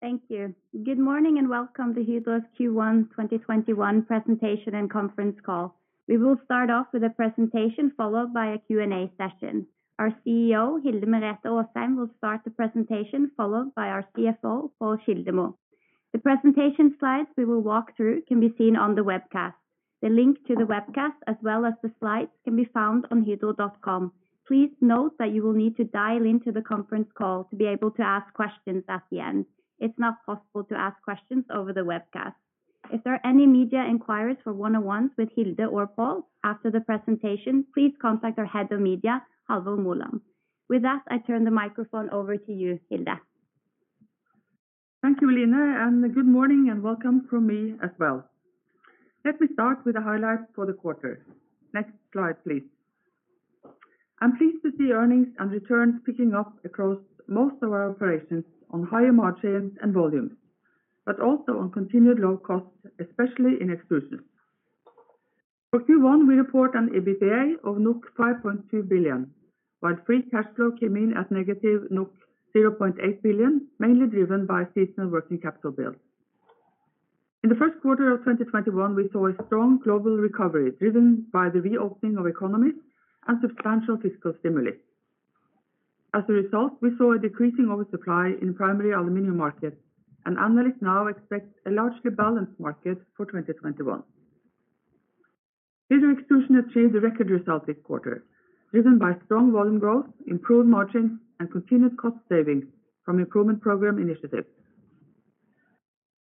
Thank you. Good morning and welcome to Hydro's Q1 2021 presentation and conference call. We will start off with a presentation, followed by a Q&A session. Our CEO, Hilde Merete Aasheim, will start the presentation, followed by our CFO, Pål Kildemo. The presentation slides we will walk through can be seen on the webcast. The link to the webcast, as well as the slides, can be found on hydro.com. Please note that you will need to dial into the conference call to be able to ask questions at the end. It's not possible to ask questions over the webcast. If there are any media inquiries for one-on-ones with Hilde or Pål after the presentation, please contact our Head of Media, Halvor Molland. With that, I turn the microphone over to you, Hilde. Thank you, Eline, and good morning and welcome from me as well. Let me start with the highlights for the quarter. Next slide, please. I'm pleased to see earnings and returns picking up across most of our operations on higher margins and volumes, but also on continued low costs, especially in Extrusions. For Q1, we report an EBITDA of 5.2 billion, while free cash flow came in at -0.8 billion, mainly driven by seasonal working capital build. In the first quarter of 2021, we saw a strong global recovery driven by the reopening of economies and substantial fiscal stimuli. As a result, we saw a decreasing oversupply in primary aluminum markets, and analysts now expect a largely balanced market for 2021. Hydro Extrusions achieved a record result this quarter, driven by strong volume growth, improved margins, and continued cost savings from improvement program initiatives.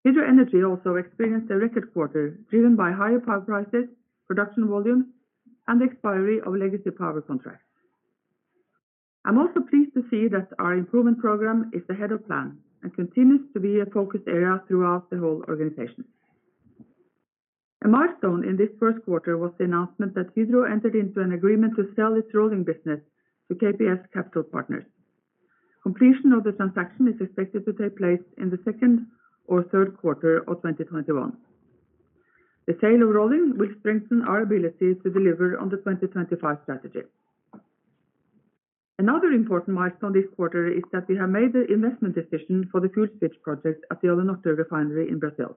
Hydro Energy also experienced a record quarter driven by higher power prices, production volumes, and the expiry of legacy power contracts. I'm also pleased to see that our improvement program is ahead of plan and continues to be a focus area throughout the whole organization. A milestone in this first quarter was the announcement that Hydro entered into an agreement to sell its rolling business to KPS Capital Partners. Completion of the transaction is expected to take place in the second or third quarter of 2021. The sale of rolling will strengthen our ability to deliver on the 2025 strategy. Another important milestone this quarter is that we have made the investment decision for the FuelSwitch project at the Alunorte refinery in Brazil.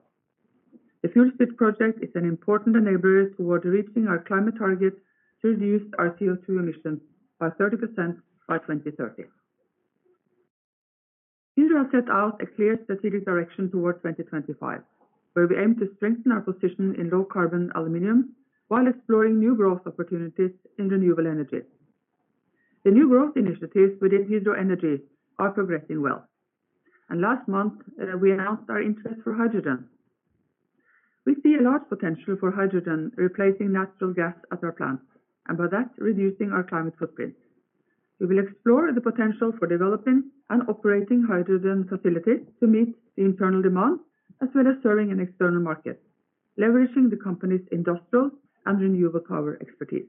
The FuelSwitch project is an important enabler toward reaching our climate target to reduce our CO2 emissions by 30% by 2030. Hydro set out a clear strategic direction towards 2025, where we aim to strengthen our position in low carbon aluminum while exploring new growth opportunities in renewable energies. The new growth initiatives within Hydro Energy are progressing well, and last month, we announced our interest for hydrogen. We see a large potential for hydrogen replacing natural gas at our plants, and by that, reducing our climate footprint. We will explore the potential for developing and operating hydrogen facilities to meet the internal demand, as well as serving an external market, leveraging the company's industrial and renewable power expertise.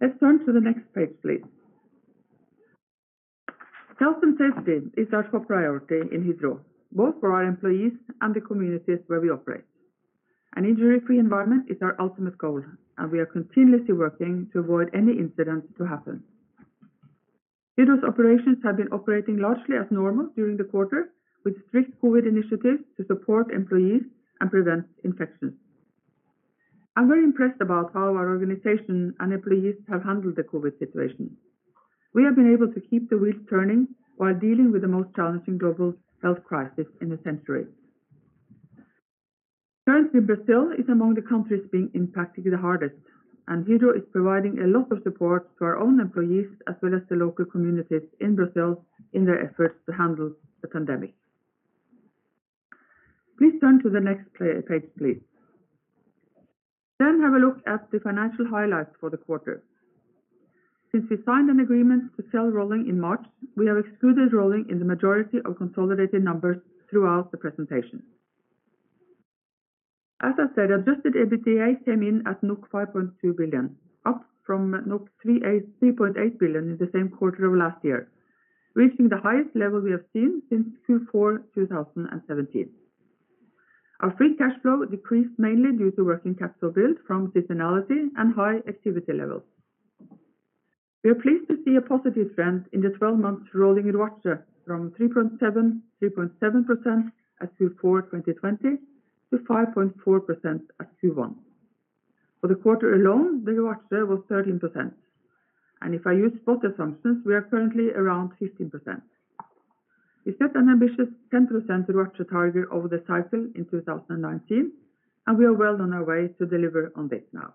Let's turn to the next page, please. Health and safety is our top priority in Hydro, both for our employees and the communities where we operate. An injury-free environment is our ultimate goal, and we are continuously working to avoid any incident to happen. Hydro's operations have been operating largely as normal during the quarter, with strict COVID initiatives to support employees and prevent infections. I'm very impressed about how our organization and employees have handled the COVID situation. We have been able to keep the wheels turning while dealing with the most challenging global health crisis in a century. Currently, Brazil is among the countries being impacted the hardest. Hydro is providing a lot of support to our own employees as well as the local communities in Brazil in their efforts to handle the pandemic. Please turn to the next page, please. Have a look at the financial highlights for the quarter. Since we signed an agreement to sell rolling in March, we have excluded rolling in the majority of consolidated numbers throughout the presentation. As I said, adjusted EBITDA came in at 5.2 billion, up from 3.8 billion in the same quarter of last year, reaching the highest level we have seen since Q4 2017. Our free cash flow decreased mainly due to working capital build from seasonality and high activity levels. We are pleased to see a positive trend in the 12-month rolling ROACE from 3.7% at Q4 2020 to 5.4% at Q1. For the quarter alone, the ROACE was 13%, and if I use spot assumptions, we are currently around 15%. We set an ambitious 10% ROACE target over the cycle in 2019, and we are well on our way to deliver on this now.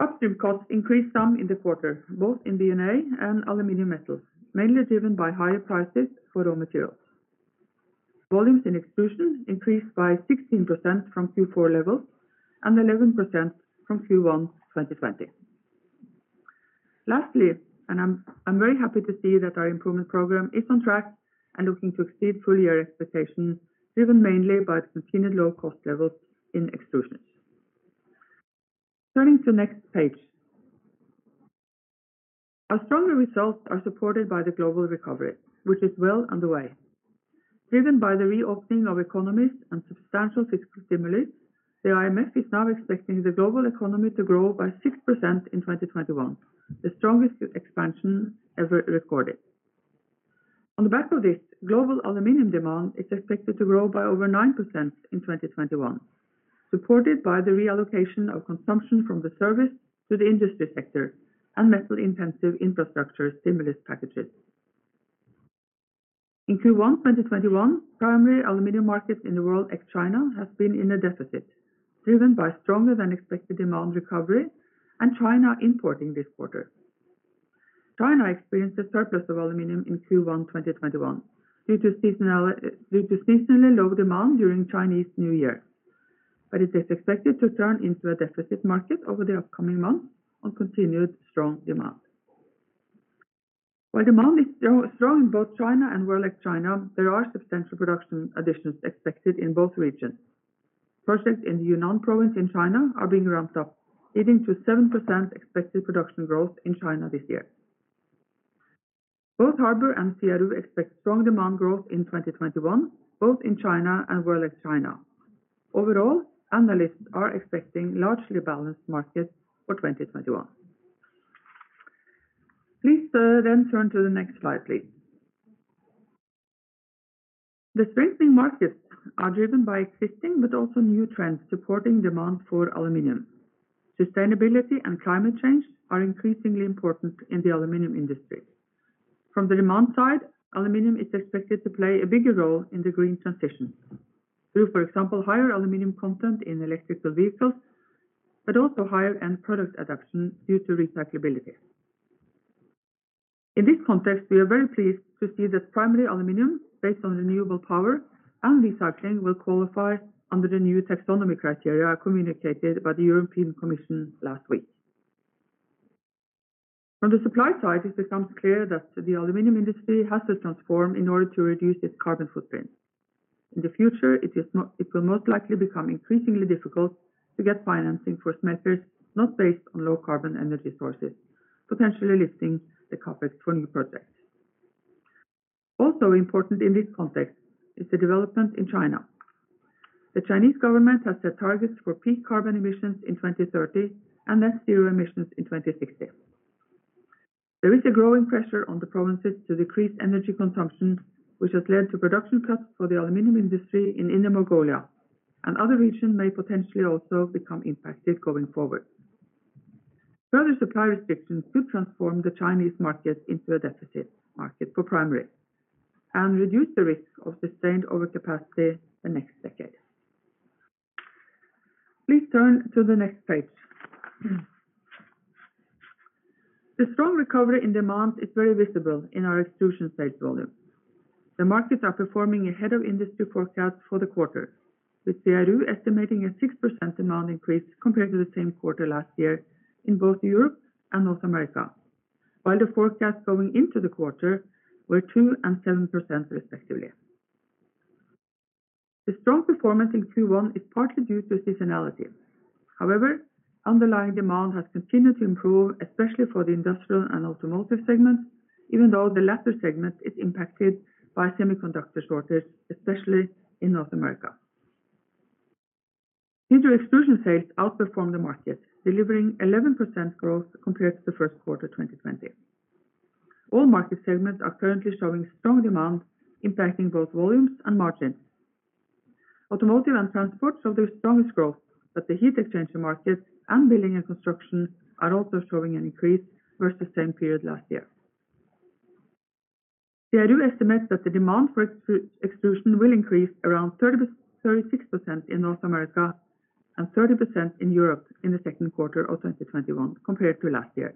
Upstream costs increased some in the quarter, both in D&A and Aluminium Metal, mainly driven by higher prices for raw materials. Volumes in Hydro Extrusions increased by 16% from Q4 levels and 11% from Q1 2020. Lastly, I'm very happy to see that our improvement program is on track and looking to exceed full-year expectations, driven mainly by continued low-cost levels in Extrusions. Turning to next page. Our stronger results are supported by the global recovery, which is well underway. Driven by the reopening of economies and substantial fiscal stimulus, the IMF is now expecting the global economy to grow by 6% in 2021, the strongest expansion ever recorded. On the back of this, global aluminum demand is expected to grow by over 9% in 2021, supported by the reallocation of consumption from the service to the industry sector and metal-intensive infrastructure stimulus packages. In Q1 2021, primary aluminum markets in the world ex China has been in a deficit, driven by stronger than expected demand recovery and China importing this quarter. China experienced a surplus of aluminum in Q1 2021 due to seasonally low demand during Chinese New Year, but it is expected to turn into a deficit market over the upcoming months on continued strong demand. While demand is strong in both China and world ex China, there are substantial production additions expected in both regions. Projects in Yunnan province in China are being ramped up, leading to 7% expected production growth in China this year. Both HARBOR and CRU expect strong demand growth in 2021, both in China and world ex China. Overall, analysts are expecting largely balanced markets for 2021. Please then turn to the next slide, please. The strengthening markets are driven by existing but also new trends supporting demand for aluminum. Sustainability and climate change are increasingly important in the aluminum industry. From the demand side, aluminum is expected to play a bigger role in the green transition through, for example, higher aluminum content in electrical vehicles, but also higher end product adoption due to recyclability. In this context, we are very pleased to see that primary aluminum based on renewable power and recycling will qualify under the new taxonomy criteria communicated by the European Commission last week. From the supply side, it becomes clear that the aluminum industry has to transform in order to reduce its carbon footprint. In the future, it will most likely become increasingly difficult to get financing for smelters not based on low carbon energy sources, potentially lifting the CapEx for new projects. Also important in this context is the development in China. The Chinese government has set targets for peak carbon emissions in 2030 and net zero emissions in 2060. There is a growing pressure on the provinces to decrease energy consumption, which has led to production cuts for the aluminum industry in Inner Mongolia, and other regions may potentially also become impacted going forward. Further supply restrictions could transform the Chinese market into a deficit market for primary and reduce the risk of sustained overcapacity the next decade. Please turn to the next page. The strong recovery in demand is very visible in our extrusion sales volume. The markets are performing ahead of industry forecasts for the quarter, with CRU estimating a 6% demand increase compared to the same quarter last year in both Europe and North America, while the forecasts going into the quarter were 2% and 7% respectively. The strong performance in Q1 is partly due to seasonality. However, underlying demand has continued to improve, especially for the industrial and automotive segments, even though the latter segment is impacted by semiconductor shortage, especially in North America. Hydro Extrusions sales outperformed the market, delivering 11% growth compared to the first quarter 2020. All market segments are currently showing strong demand, impacting both volumes and margins. Automotive and transport showed their strongest growth, but the heat exchanger market and building and construction are also showing an increase versus the same period last year. CRU estimates that the demand for extrusion will increase around 36% in North America and 30% in Europe in the second quarter 2021 compared to last year.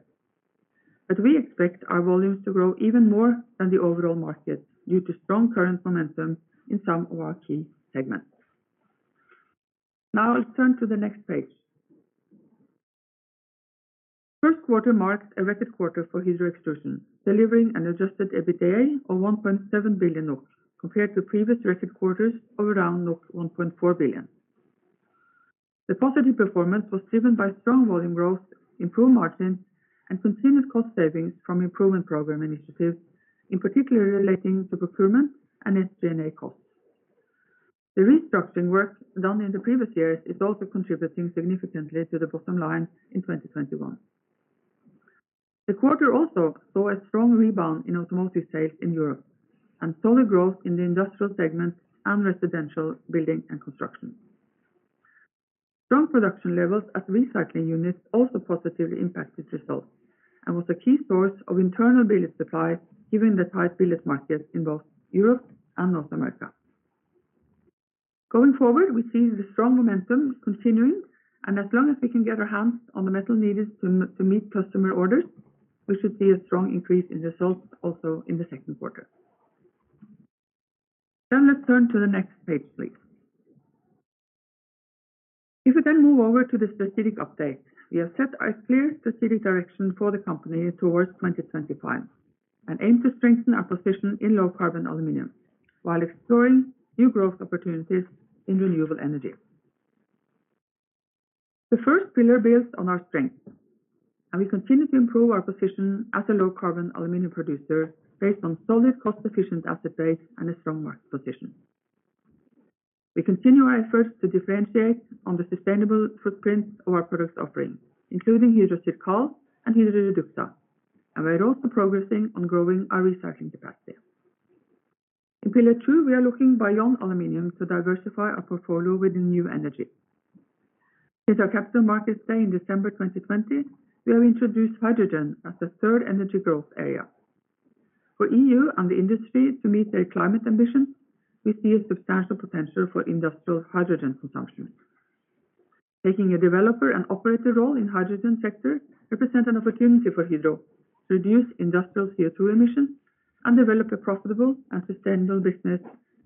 We expect our volumes to grow even more than the overall market due to strong current momentum in some of our key segments. Now let's turn to the next page. First quarter marked a record quarter for Hydro Extrusions, delivering an adjusted EBITDA of 1.7 billion NOK, compared to previous record quarters of around 1.4 billion. The positive performance was driven by strong volume growth, improved margins, and continued cost savings from improvement program initiatives, in particular relating to procurement and SG&A costs. The restructuring work done in the previous years is also contributing significantly to the bottom line in 2021. The quarter also saw a strong rebound in automotive sales in Europe and solid growth in the industrial segment and residential building and construction. Strong production levels at recycling units also positively impacted results and was a key source of internal billet supply, given the tight billet market in both Europe and North America. Going forward, we see the strong momentum continuing, and as long as we can get our hands on the metal needed to meet customer orders, we should see a strong increase in results also in the second quarter. Let's turn to the next page, please. If we then move over to the strategic update, we have set a clear strategic direction for the company towards 2025 and aim to strengthen our position in low-carbon aluminum while exploring new growth opportunities in renewable energy. The first pillar builds on our strengths, and we continue to improve our position as a low-carbon aluminum producer based on solid cost-efficient asset base and a strong market position. We continue our efforts to differentiate on the sustainable footprint of our products offering, including Hydro CIRCAL and Hydro REDUXA, and we are also progressing on growing our recycling capacity. In pillar two, we are looking beyond aluminum to diversify our portfolio with new energy. Since our Capital Markets Day in December 2020, we have introduced hydrogen as a third energy growth area. For EU and the industry to meet their climate ambitions, we see a substantial potential for industrial hydrogen consumption. Taking a developer and operator role in hydrogen sector represents an opportunity for Hydro to reduce industrial CO2 emissions and develop a profitable and sustainable business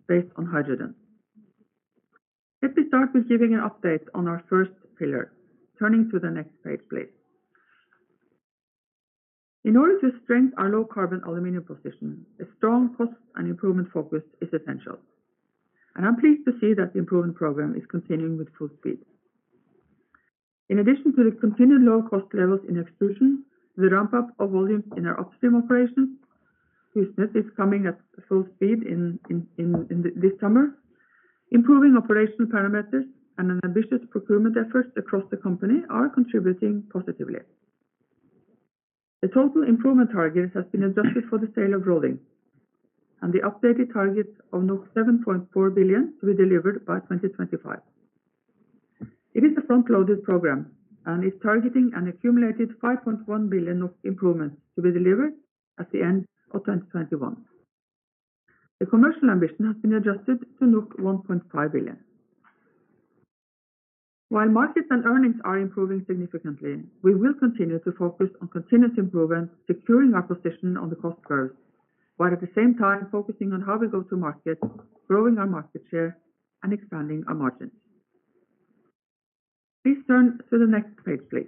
based on hydrogen. Let me start with giving an update on our first pillar. Turning to the next page, please. In order to strengthen our low-carbon aluminum position, a strong cost and improvement focus is essential. I'm pleased to see that the improvement program is continuing with full speed. In addition to the continued low cost levels in extrusion, the ramp-up of volumes in our upstream operation, which is coming at full speed this summer, improving operational parameters and an ambitious procurement efforts across the company are contributing positively. The total improvement target has been adjusted for the sale of Rolling and the updated target of 7.4 billion to be delivered by 2025. It is a front-loaded program and is targeting an accumulated 5.1 billion improvement to be delivered at the end of 2021. The commercial ambition has been adjusted to 1.5 billion. While markets and earnings are improving significantly, we will continue to focus on continuous improvement, securing our position on the cost curve, while at the same time focusing on how we go to market, growing our market share, and expanding our margins. Please turn to the next page, please.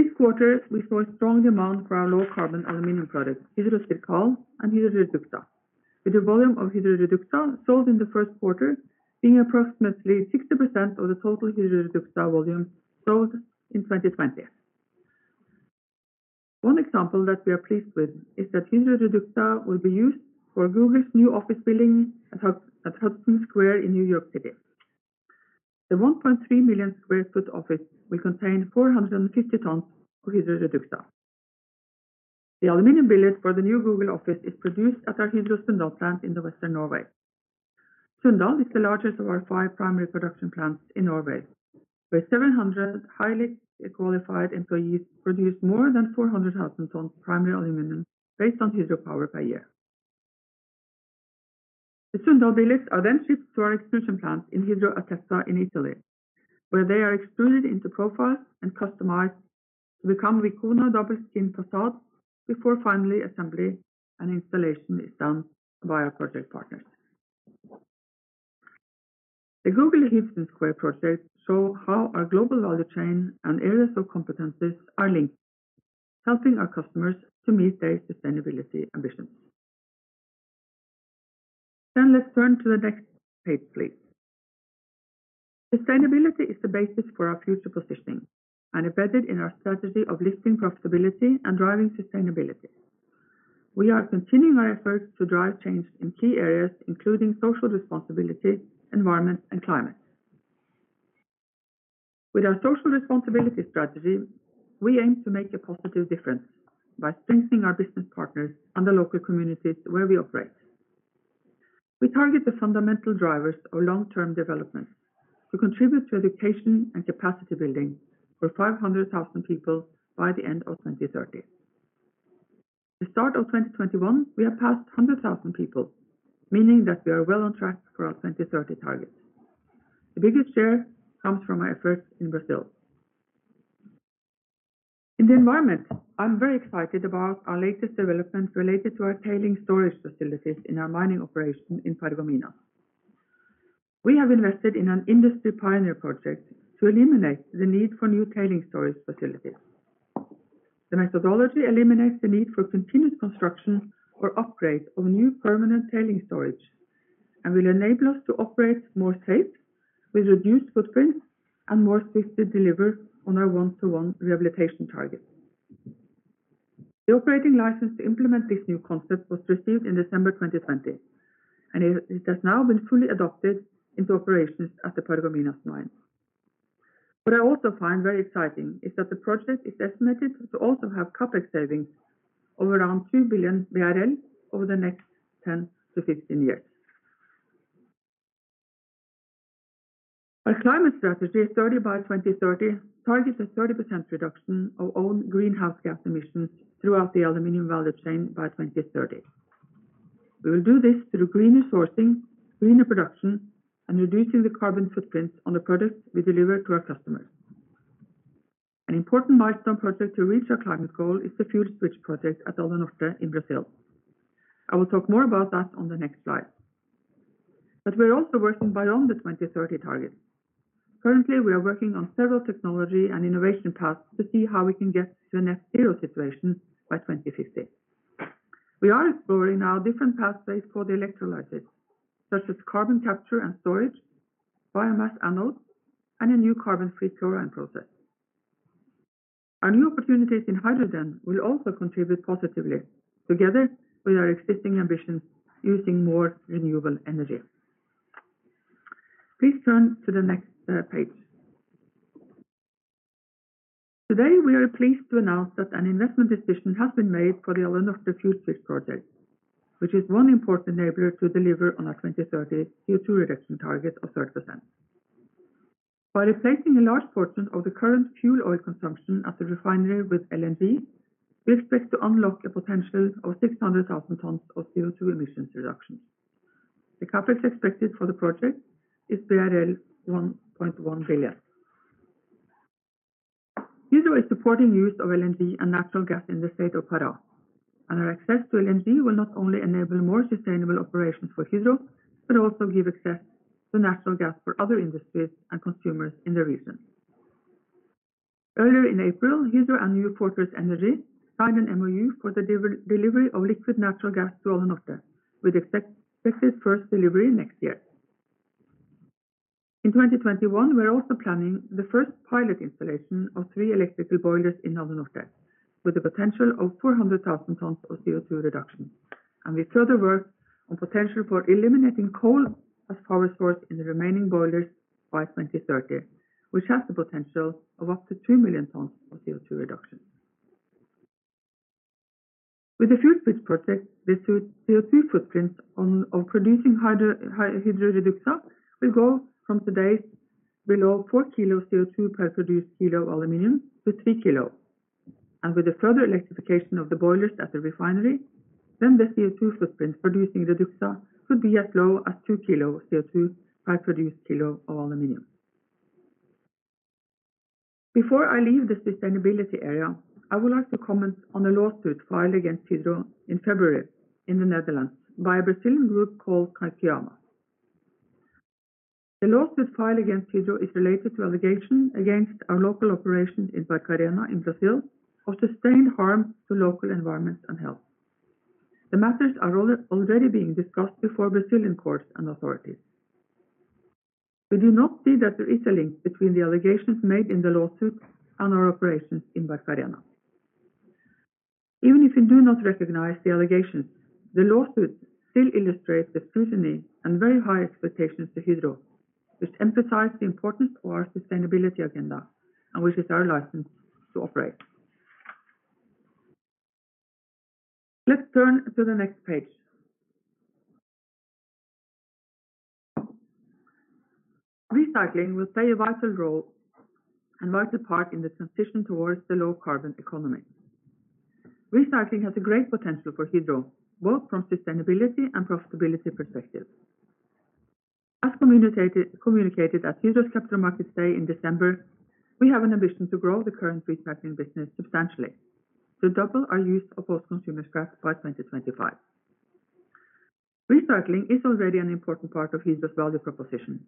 This quarter, we saw a strong demand for our low-carbon aluminum products, Hydro CIRCAL and Hydro REDUXA, with the volume of Hydro REDUXA sold in the first quarter being approximately 60% of the total Hydro REDUXA volume sold in 2020. One example that we are pleased with is that Hydro REDUXA will be used for Google's new office building at Hudson Square in New York City. The 1.3 million square foot office will contain 450 tons of Hydro REDUXA. The aluminum billet for the new Google office is produced at our Hydro Sunndal plant in the western Norway. Sunndal is the largest of our five primary production plants in Norway, where 700 highly qualified employees produce more than 400,000 tons of primary aluminum based on hydro power per year. The Sunndal billets are then shipped to our extrusion plant in Hydro Atessa in Italy, where they are extruded into profiles and customized to become WICONA double-skin facade, before finally assembly and installation is done by our project partners. The Google Hudson Square project show how our global value chain and areas of competencies are linked, helping our customers to meet their sustainability ambitions. Let's turn to the next page, please. Sustainability is the basis for our future positioning and embedded in our strategy of lifting profitability and driving sustainability. We are continuing our efforts to drive change in key areas, including social responsibility, environment, and climate. With our social responsibility strategy, we aim to make a positive difference by strengthening our business partners and the local communities where we operate. We target the fundamental drivers of long-term development to contribute to education and capacity building for 500,000 people by the end of 2030. The start of 2021, we have passed 100,000 people, meaning that we are well on track for our 2030 target. The biggest share comes from our efforts in Brazil. In the environment, I'm very excited about our latest development related to our tailing storage facilities in our mining operation in Paragominas. We have invested in an industry pioneer project to eliminate the need for new tailing storage facilities. The methodology eliminates the need for continued construction or upgrade of new permanent tailing storage and will enable us to operate more safe with reduced footprints and more swiftly deliver on our one-to-one rehabilitation target. The operating license to implement this new concept was received in December 2020, and it has now been fully adopted into operations at the Paragominas mine. What I also find very exciting is that the project is estimated to also have CapEx savings of around 2 billion BRL over the next 10-15 years. Our climate strategy, 30 by 2030, targets a 30% reduction of own greenhouse gas emissions throughout the aluminum value chain by 2030. We will do this through greener sourcing, greener production, and reducing the carbon footprint on the products we deliver to our customers. An important milestone project to reach our climate goal is the FuelSwitch project at Alunorte in Brazil. I will talk more about that on the next slide. We're also working beyond the 2030 target. Currently, we are working on several technology and innovation paths to see how we can get to a net zero situation by 2050. We are exploring now different pathways for the electrolysis, such as carbon capture and storage, biomass anodes, and a new carbon-free chlorine process. Our new opportunities in hydrogen will also contribute positively, together with our existing ambitions using more renewable energy. Please turn to the next page. Today, we are pleased to announce that an investment decision has been made for the Alunorte FuelSwitch project, which is one important enabler to deliver on our 2030 CO2 reduction target of 30%. By replacing a large portion of the current fuel oil consumption at the refinery with LNG, we expect to unlock a potential of 600,000 tonnes of CO2 emissions reductions. The CapEx expected for the project is 1.1 billion. Hydro is supporting use of LNG and natural gas in the state of Pará. Our access to LNG will not only enable more sustainable operations for Hydro, but also give access to natural gas for other industries and consumers in the region. Earlier in April, Hydro and New Fortress Energy signed an MoU for the delivery of liquid natural gas to Alunorte, with expected first delivery next year. In 2021, we're also planning the first pilot installation of three electrical boilers in Alunorte, with the potential of 400,000 tons of CO2 reduction. We further work on potential for eliminating coal as power source in the remaining boilers by 2030, which has the potential of up to 2 million tons of CO2 reduction. With the FuelSwitch project, the CO2 footprint of producing Hydro REDUXA will go from today's below four kilos CO2 per produced kilo of aluminum to 3 kilo. With the further electrification of the boilers at the refinery, then the CO2 footprint producing REDUXA could be as low as 2 kilos of CO2 per produced kilo of aluminum. Before I leave the sustainability area, I would like to comment on a lawsuit filed against Hydro in February in the Netherlands by a Brazilian group called Cainquiama. The lawsuit filed against Hydro is related to allegation against our local operations in Barcarena in Brazil of sustained harm to local environment and health. The matters are already being discussed before Brazilian courts and authorities. We do not see that there is a link between the allegations made in the lawsuit and our operations in Barcarena. Even if we do not recognize the allegations, the lawsuit still illustrates the scrutiny and very high expectations to Hydro, which emphasize the importance of our sustainability agenda and which is our license to operate. Let's turn to the next page. Recycling will play a vital role and vital part in the transition towards the low carbon economy. Recycling has a great potential for Hydro, both from sustainability and profitability perspective. As communicated at Hydro's Capital Markets Day in December, we have an ambition to grow the current recycling business substantially, to double our use of post-consumer scrap by 2025. Recycling is already an important part of Hydro's value proposition,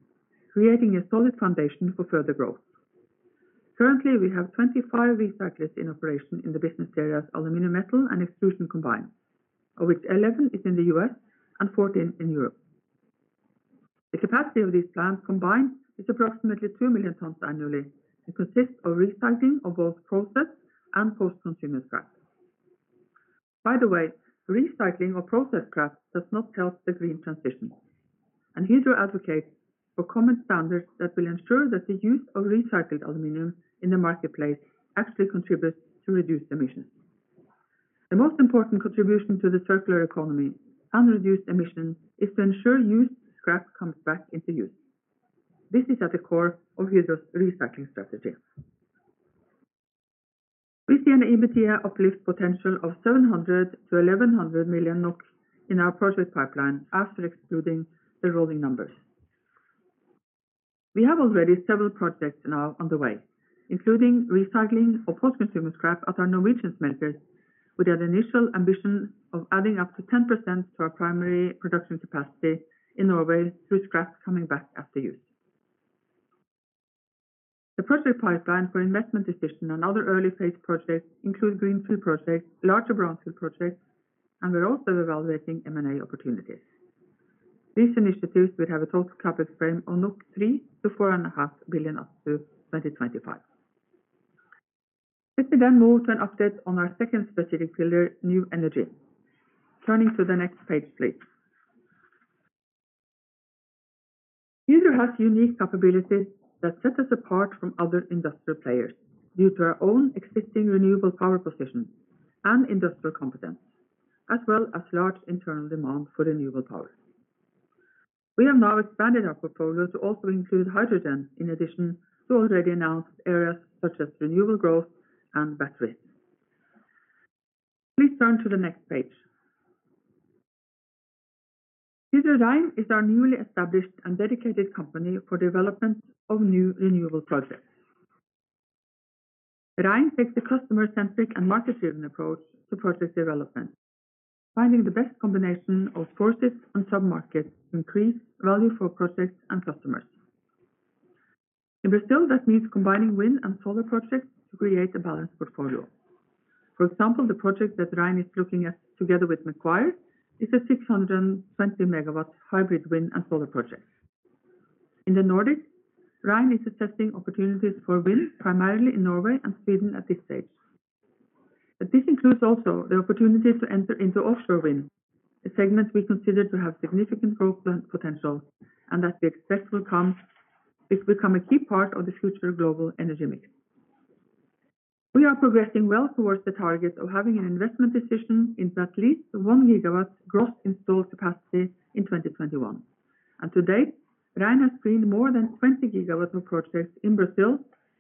creating a solid foundation for further growth. Currently, we have 25 recyclers in operation in the business areas Aluminium Metal and Extrusion combined, of which 11 is in the U.S. and 14 in Europe. The capacity of these plants combined is approximately 2 million tonnes annually, and consists of recycling of both process and post-consumer scrap. By the way, recycling of process scrap does not help the green transition, and Hydro advocates for common standards that will ensure that the use of recycled aluminum in the marketplace actually contributes to reduced emissions. The most important contribution to the circular economy and reduced emission is to ensure used scrap comes back into use. This is at the core of Hydro's recycling strategy. We see an EBITDA uplift potential of 700 million-1,100 million NOK in our project pipeline after excluding the rolling numbers. We have already several projects now on the way, including recycling of post-consumer scrap at our Norwegian smelters, with the initial ambition of adding up to 10% to our primary production capacity in Norway through scrap coming back after use. The project pipeline for investment decision and other early phase projects include greenfield projects, larger brownfield projects, and we're also evaluating M&A opportunities. These initiatives will have a total CapEx frame on 3 billion-4.5 billion up to 2025. Let me move to an update on our second strategic pillar, new energy. Turning to the next page, please. Hydro has unique capabilities that set us apart from other industrial players due to our own existing renewable power position and industrial competence, as well as large internal demand for renewable power. We have now expanded our portfolio to also include hydrogen in addition to already announced areas such as renewable growth and batteries. Please turn to the next page. Hydro Rein is our newly established and dedicated company for development of new renewable projects. Rein takes a customer-centric and market-driven approach to project development, finding the best combination of forces and submarkets to increase value for projects and customers. In Brazil, that means combining wind and solar projects to create a balanced portfolio. For example, the project that Hydro Rein is looking at together with Macquarie is a 620 MW hybrid wind and solar project. In the Nordics, Hydro Rein is assessing opportunities for wind, primarily in Norway and Sweden at this stage. This includes also the opportunity to enter into offshore wind, a segment we consider to have significant growth potential and that we expect will become a key part of the future global energy mix. We are progressing well towards the target of having an investment decision into at least 1 GW gross installed capacity in 2021. To date, Hydro Rein has screened more than 20 GW of projects in Brazil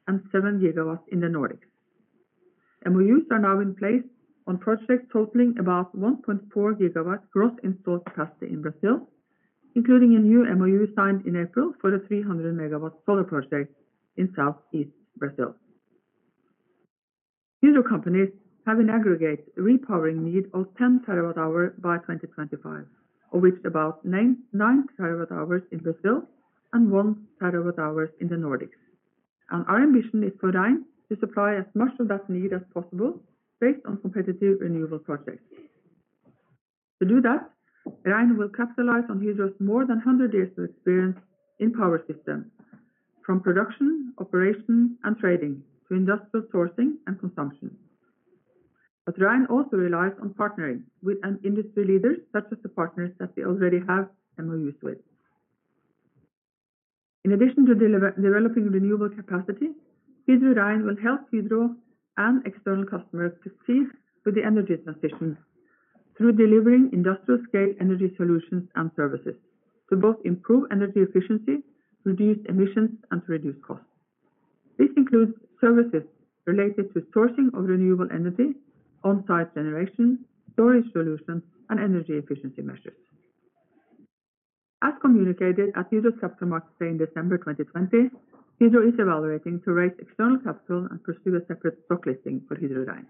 and 7 GW in the Nordics. MoUs are now in place on projects totaling about 1.4 GW gross installed capacity in Brazil, including a new MoU signed in April for a 300 MW solar project in Southeast Brazil. Hydro companies have an aggregate repowering need of 10 TWh by 2025, of which about 9 TWh in Brazil and 1 TWh in the Nordics. Our ambition is for Hydro Rein to supply as much of that need as possible based on competitive renewable projects. To do that, Hydro Rein will capitalize on Hydro's more than 100 years of experience in power systems, from production, operations, and trading to industrial sourcing and consumption. Hydro Rein also relies on partnering with industry leaders such as the partners that we already have MoUs with. In addition to developing renewable capacity, Hydro Rein will help Hydro and external customers succeed with the energy transition through delivering industrial-scale energy solutions and services to both improve energy efficiency, reduce emissions, and to reduce costs. This includes services related to sourcing of renewable energy, on-site generation, storage solutions, and energy efficiency measures. As communicated at Hydro's Capital Markets Day in December 2020, Hydro is evaluating to raise external capital and pursue a separate stock listing for Hydro Rein.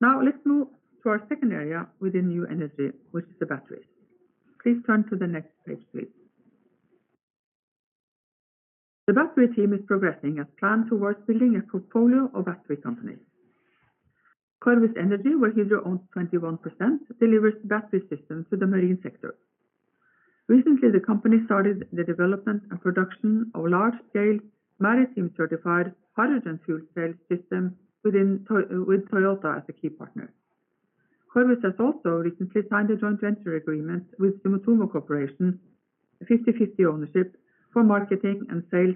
Now let's move to our second area within New Energy, which is the batteries. Please turn to the next page, please. The battery team is progressing as planned towards building a portfolio of battery companies. Corvus Energy, where Hydro owns 21%, delivers battery systems to the marine sector. Recently, the company started the development and production of large-scale maritime certified hydrogen fuel cell system with Toyota as a key partner. Corvus Energy has also recently signed a joint venture agreement with Sumitomo Corporation, a 50/50 ownership for marketing and sale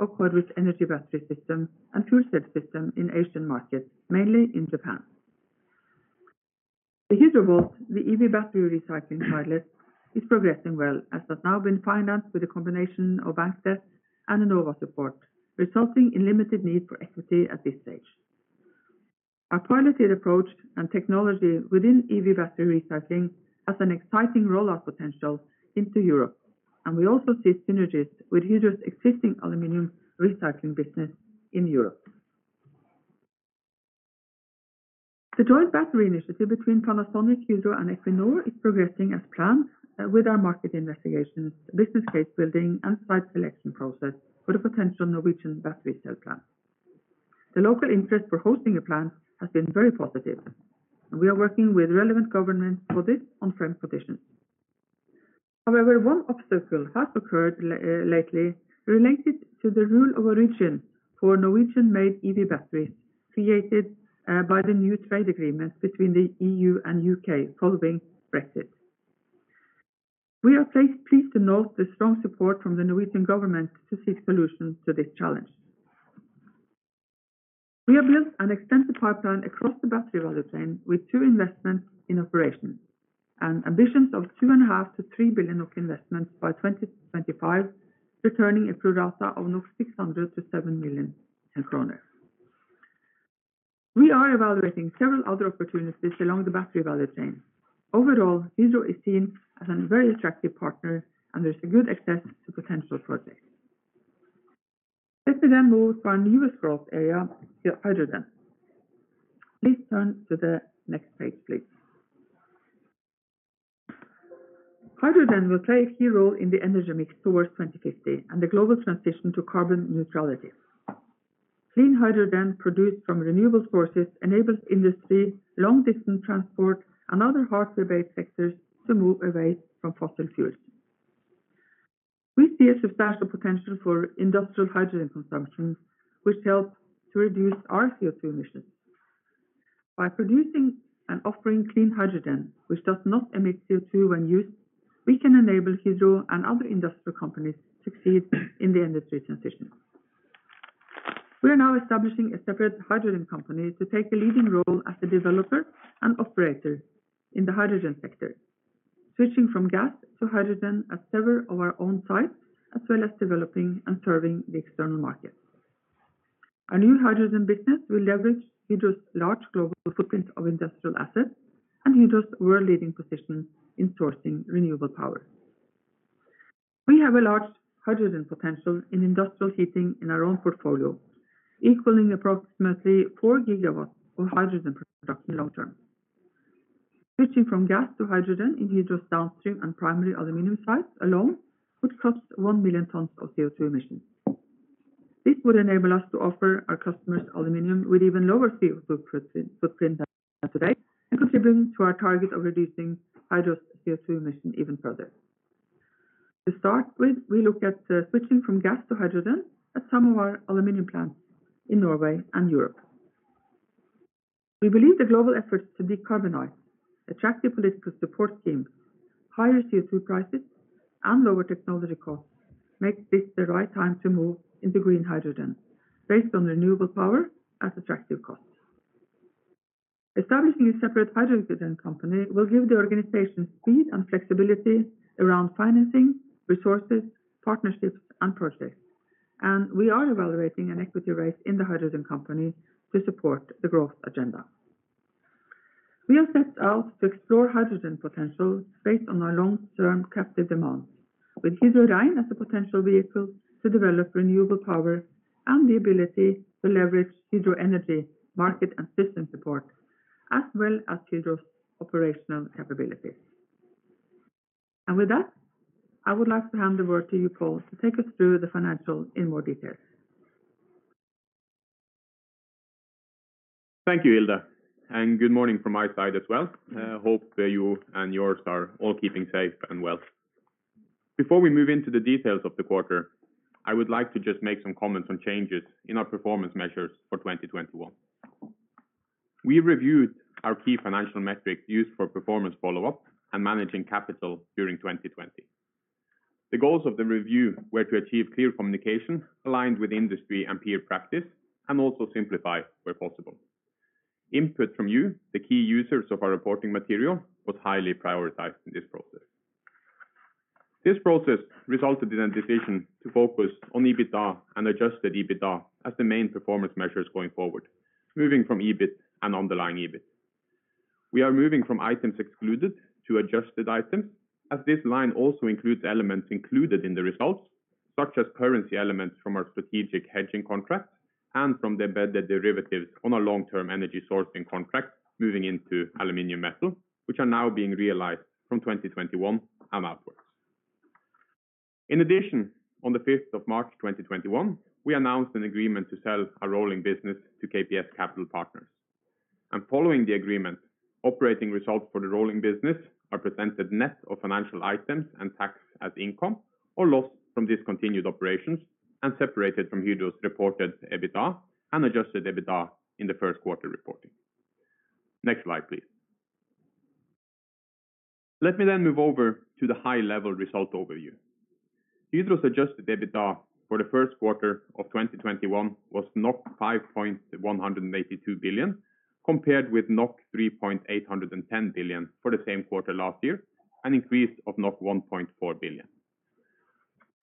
of Corvus Energy battery system and fuel cell system in Asian markets, mainly in Japan. The Hydrovolt, the EV battery recycling pilot, is progressing well, as has now been financed with a combination of bank debt and Enova support, resulting in limited need for equity at this stage. Our piloted approach and technology within EV battery recycling has an exciting rollout potential into Europe, and we also see synergies with Hydro's existing aluminum recycling business in Europe. The joint battery initiative between Panasonic, Hydro, and Equinor is progressing as planned with our market investigations, business case building, and site selection process for the potential Norwegian battery cell plant. The local interest for hosting a plant has been very positive, and we are working with relevant government for this on firm conditions. One obstacle has occurred lately related to the rule of origin for Norwegian-made EV batteries created by the new trade agreement between the EU and U.K. following Brexit. We are pleased to note the strong support from the Norwegian government to seek solutions to this challenge. We have built an extensive pipeline across the battery value chain with two investments in operations and ambitions of 2.5 billion-3 billion NOK investments by 2025, returning a pro rata of 600 million-700 million in kroner. We are evaluating several other opportunities along the battery value chain. Hydro is seen as a very attractive partner, and there's a good access to potential projects. Let me move to our newest growth area, the hydrogen. Please turn to the next page, please. Hydrogen will play a key role in the energy mix towards 2050 and the global transition to carbon neutrality. Clean hydrogen produced from renewable sources enables industry, long-distance transport, and other hard-to-abate sectors to move away from fossil fuels. We see a substantial potential for industrial hydrogen consumption, which helps to reduce our CO2 emissions. By producing and offering clean hydrogen, which does not emit CO2 when used, we can enable Hydro and other industrial companies to succeed in the industry transition. We are now establishing a separate hydrogen company to take a leading role as a developer and operator in the hydrogen sector, switching from gas to hydrogen at several of our own sites, as well as developing and serving the external market. Our new hydrogen business will leverage Hydro's large global footprint of industrial assets and Hydro's world leading position in sourcing renewable power. We have a large hydrogen potential in industrial heating in our own portfolio, equaling approximately 4 GW of hydrogen production long term. Switching from gas to hydrogen in Hydro's downstream and primary aluminum sites alone would cut 1 million tons of CO2 emissions. This would enable us to offer our customers aluminum with even lower CO2 footprint than today and contribute to our target of reducing Hydro's CO2 emission even further. To start with, we look at switching from gas to hydrogen at some of our aluminum plants in Norway and Europe. We believe the global efforts to decarbonize, attractive political support schemes, higher CO2 prices, and lower technology costs make this the right time to move into green hydrogen based on renewable power at attractive costs. Establishing a separate hydrogen company will give the organization speed and flexibility around financing, resources, partnerships, and projects. We are evaluating an equity raise in the hydrogen company to support the growth agenda. We have set out to explore hydrogen potential based on our long-term captive demand with Hydro Rein as a potential vehicle to develop renewable power and the ability to leverage Hydro Energy market and system support, as well as Hydro's operational capabilities. With that, I would like to hand the word to you, Pål, to take us through the financials in more detail. Thank you, Hilde. Good morning from my side as well. Hope you and yours are all keeping safe and well. Before we move into the details of the quarter, I would like to just make some comments on changes in our performance measures for 2021. We reviewed our key financial metrics used for performance follow-up and managing capital during 2020. The goals of the review were to achieve clear communication aligned with industry and peer practice. Also simplify where possible. Input from you, the key users of our reporting material, was highly prioritized in this process. This process resulted in a decision to focus on EBITDA and adjusted EBITDA as the main performance measures going forward, moving from EBIT and underlying EBIT. We are moving from items excluded to adjusted items as this line also includes elements included in the results, such as currency elements from our strategic hedging contracts and from the embedded derivatives on our long-term energy sourcing contracts moving into Aluminium Metal, which are now being realized from 2021 and onwards. In addition, on the March 5th, 2021, we announced an agreement to sell our rolling business to KPS Capital Partners, and following the agreement, operating results for the rolling business are presented net of financial items and taxed as income or loss from discontinued operations and separated from Hydro's reported EBITDA and adjusted EBITDA in the first quarter reporting. Next slide, please. Let me then move over to the high-level result overview. Hydro's adjusted EBITDA for the first quarter of 2021 was 5.182 billion, compared with 3.810 billion for the same quarter last year, an increase of 1.4 billion.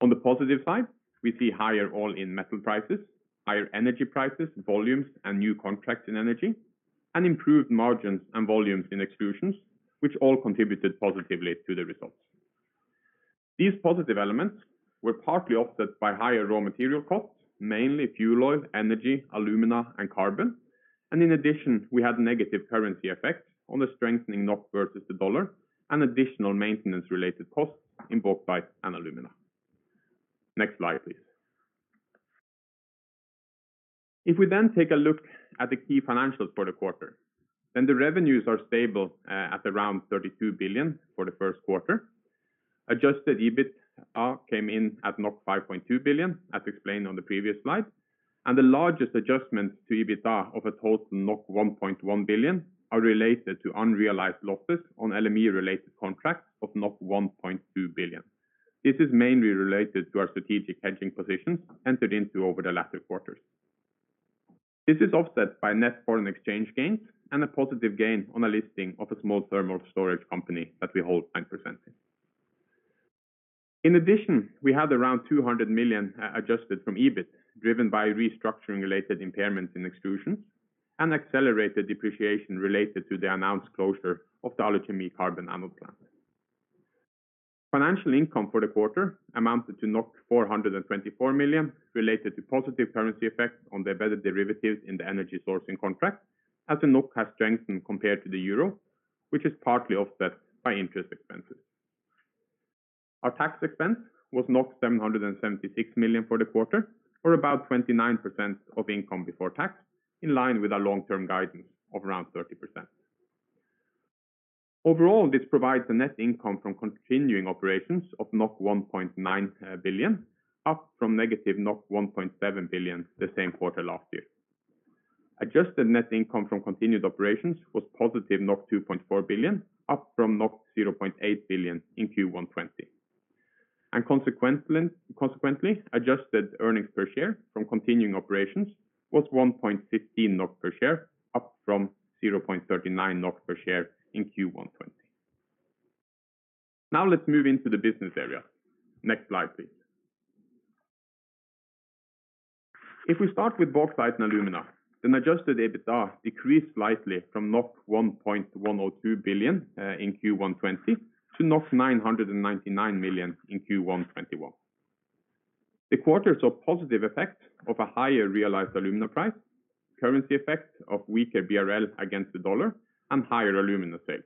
On the positive side, we see higher all-in metal prices, higher energy prices, volumes, and new contracts in energy, and improved margins and volumes in Extrusions, which all contributed positively to the results. In addition, we had negative currency effects on the strengthening NOK versus the dollar and additional maintenance-related costs in Bauxite & Alumina. Next slide, please. If we then take a look at the key financials for the quarter, the revenues are stable at around 32 billion for the first quarter. Adjusted EBITDA came in at 5.2 billion, as explained on the previous slide. The largest adjustments to EBITDA of a total 1.1 billion are related to unrealized losses on LME related contracts of 1.2 billion. This is mainly related to our strategic hedging positions entered into over the latter quarters. This is offset by net foreign exchange gains and a positive gain on a listing of a small thermal storage company that we hold 9% in. In addition, we had around 200 million adjusted from EBIT, driven by restructuring-related impairments in Extrusions and accelerated depreciation related to the announced closure of the Aluchemie carbon anode plant. Financial income for the quarter amounted to 424 million related to positive currency effects on the embedded derivatives in the energy sourcing contract, as the NOK has strengthened compared to the euro, which is partly offset by interest expenses. Our tax expense was 776 million for the quarter, or about 29% of income before tax, in line with our long-term guidance of around 30%. Overall, this provides a net income from continuing operations of 1.9 billion, up from -1.7 billion the same quarter last year. Adjusted net income from continued operations was positive 2.4 billion, up from 0.8 billion in Q1 '20. Consequently, adjusted earnings per share from continuing operations was 1.15 NOK per share, up from 0.39 NOK per share in Q1 2020. Let's move into the business area. Next slide, please. If we start with Bauxite & Alumina, then adjusted EBITDA decreased slightly from 1.102 billion in Q1 2020 to 999 million in Q1 2021. The quarter saw positive effects of a higher realized alumina price, currency effects of weaker BRL against the USD, and higher alumina sales.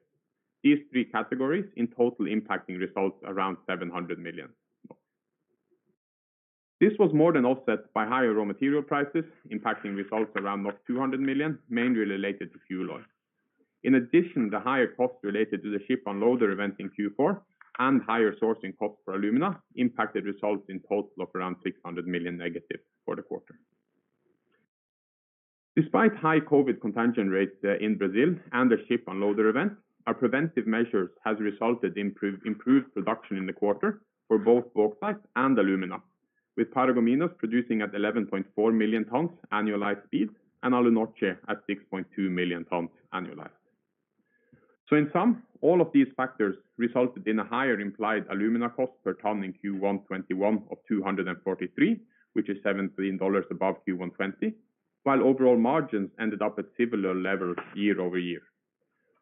These three categories in total impacting results around 700 million. This was more than offset by higher raw material prices, impacting results around 200 million, mainly related to fuel oil. In addition, the higher costs related to the ship unloader event in Q4 and higher sourcing cost for alumina impacted results in total of around -600 million for the quarter. Despite high COVID contagion rates in Brazil and the ship unloader event, our preventive measures has resulted in improved production in the quarter for both Bauxite & Alumina, with Paragominas producing at 11.4 million tonnes annualized speed and Alunorte at 6.2 million tonnes annualized. In sum, all of these factors resulted in a higher implied alumina cost per tonne in Q1 2021 of $243, which is $17 above Q1 2020, while overall margins ended up at similar levels year-over-year.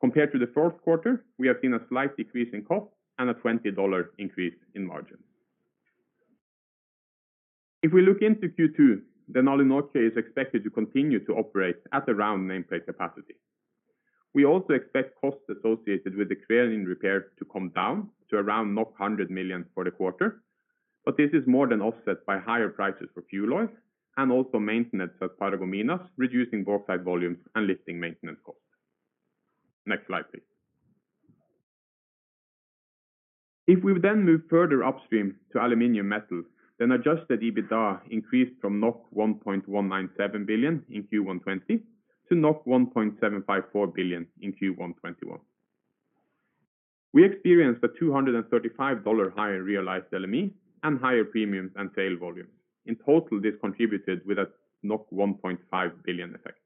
Compared to the fourth quarter, we have seen a slight decrease in cost and a NOK 20 increase in margin. If we look into Q2, then Alunorte is expected to continue to operate at around nameplate capacity. We also expect costs associated with the craning repair to come down to around 100 million for the quarter. This is more than offset by higher prices for fuel oil and also maintenance at Paragominas, reducing bauxite volumes and lifting maintenance costs. Next slide, please. If we then move further upstream to Aluminium Metal, then adjusted EBITDA increased from 1.197 billion in Q1 2020 to 1.754 billion in Q1 2021. We experienced a $235 higher realized LME and higher premiums and sale volume. In total, this contributed with a 1.5 billion effect.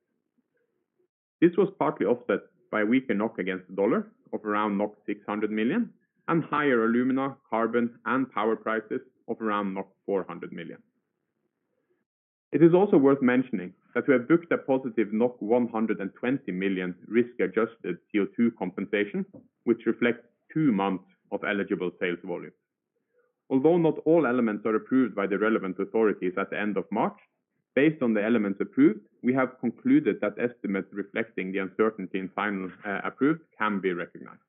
This was partly offset by weaker NOK against the dollar of around 600 million and higher alumina, carbon, and power prices of around 400 million. It is also worth mentioning that we have booked a positive 120 million risk-adjusted CO2 compensation, which reflects two months of eligible sales volume. Although not all elements are approved by the relevant authorities at the end of March, based on the elements approved, we have concluded that estimates reflecting the uncertainty in final approved can be recognized.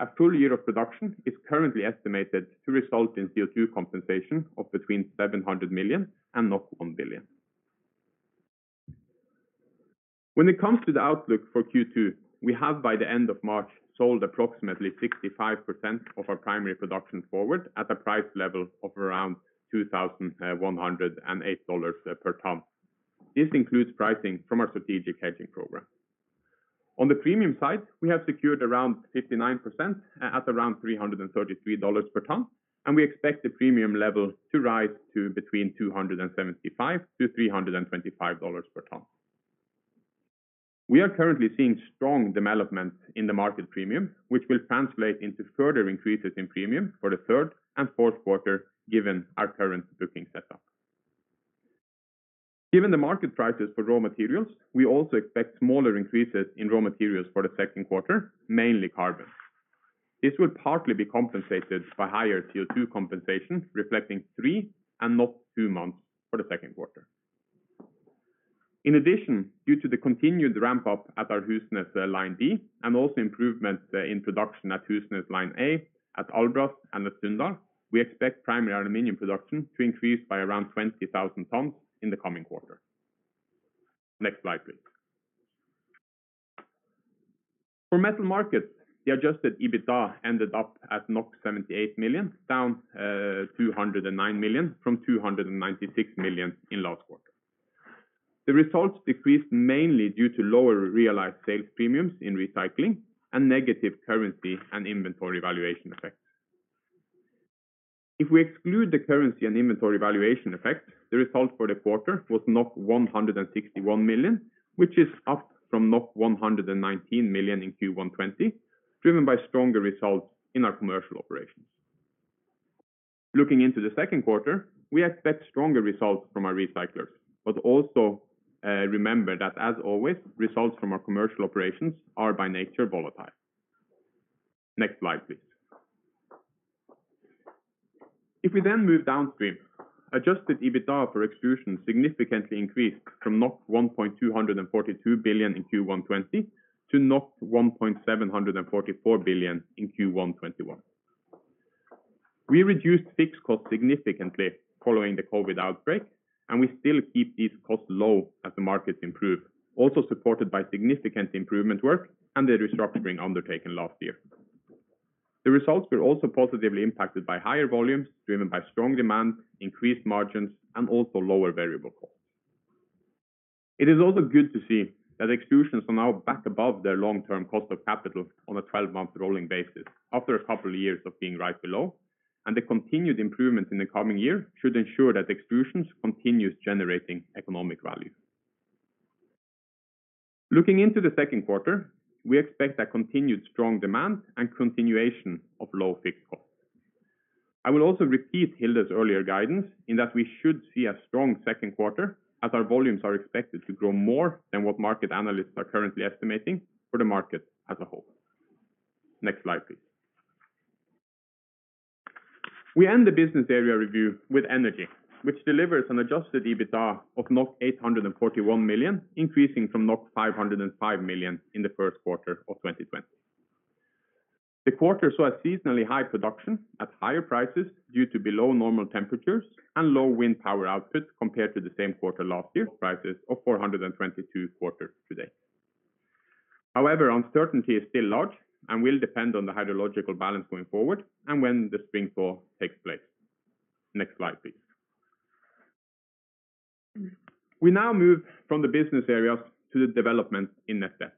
A full year of production is currently estimated to result in CO2 compensation of between 700 million-1 billion. When it comes to the outlook for Q2, we have by the end of March, sold approximately 65% of our primary production forward at a price level of around $2,108 per tonne. This includes pricing from our strategic hedging program. On the premium side, we have secured around 59% at around $333 per tonne, and we expect the premium level to rise to between $275 per tonne-$325 per tonne. We are currently seeing strong development in the market premium, which will translate into further increases in premium for the third and fourth quarter, given our current booking setup. Given the market prices for raw materials, we also expect smaller increases in raw materials for the second quarter, mainly carbon. This will partly be compensated by higher CO2 compensation, reflecting three and not two months for the second quarter. In addition, due to the continued ramp up at our Husnes Line D and also improvement in production at Husnes Line A, at Årdal and at Sunndal, we expect primary aluminum production to increase by around 20,000 tonnes in the coming quarter. Next slide, please. For metal markets, the adjusted EBITDA ended up at 78 million, down 209 million from 296 million in last quarter. The results decreased mainly due to lower realized sales premiums in recycling and negative currency and inventory valuation effects. If we exclude the currency and inventory valuation effect, the result for the quarter was 161 million, which is up from 119 million in Q1 2020, driven by stronger results in our commercial operations. Looking into the second quarter, we expect stronger results from our recyclers, also remember that as always, results from our commercial operations are by nature volatile. Next slide, please. If we then move downstream, adjusted EBITDA for Extrusions significantly increased from 1.242 billion in Q1 2020 to 1.744 billion in Q1 2021. We reduced fixed costs significantly following the COVID outbreak, and we still keep these costs low as the markets improve, also supported by significant improvement work and the restructuring undertaken last year. The results were also positively impacted by higher volumes driven by strong demand, increased margins, and also lower variable costs. It is also good to see that Extrusions are now back above their long-term cost of capital on a 12-month rolling basis after a couple of years of being right below, and the continued improvements in the coming year should ensure that Extrusions continues generating economic value. Looking into the second quarter, we expect a continued strong demand and continuation of low fixed costs. I will also repeat Hilde's earlier guidance in that we should see a strong second quarter as our volumes are expected to grow more than what market analysts are currently estimating for the market as a whole. Next slide, please. We end the business area review with energy, which delivers an adjusted EBITDA of 841 million, increasing from 505 million in the first quarter of 2020. The quarter saw a seasonally high production at higher prices due to below normal temperatures and low wind power output compared to the same quarter last year prices of 422 today. However, uncertainty is still large and will depend on the hydrological balance going forward and when the spring thaw takes place. Next slide, please. We now move from the business areas to the development in net debt.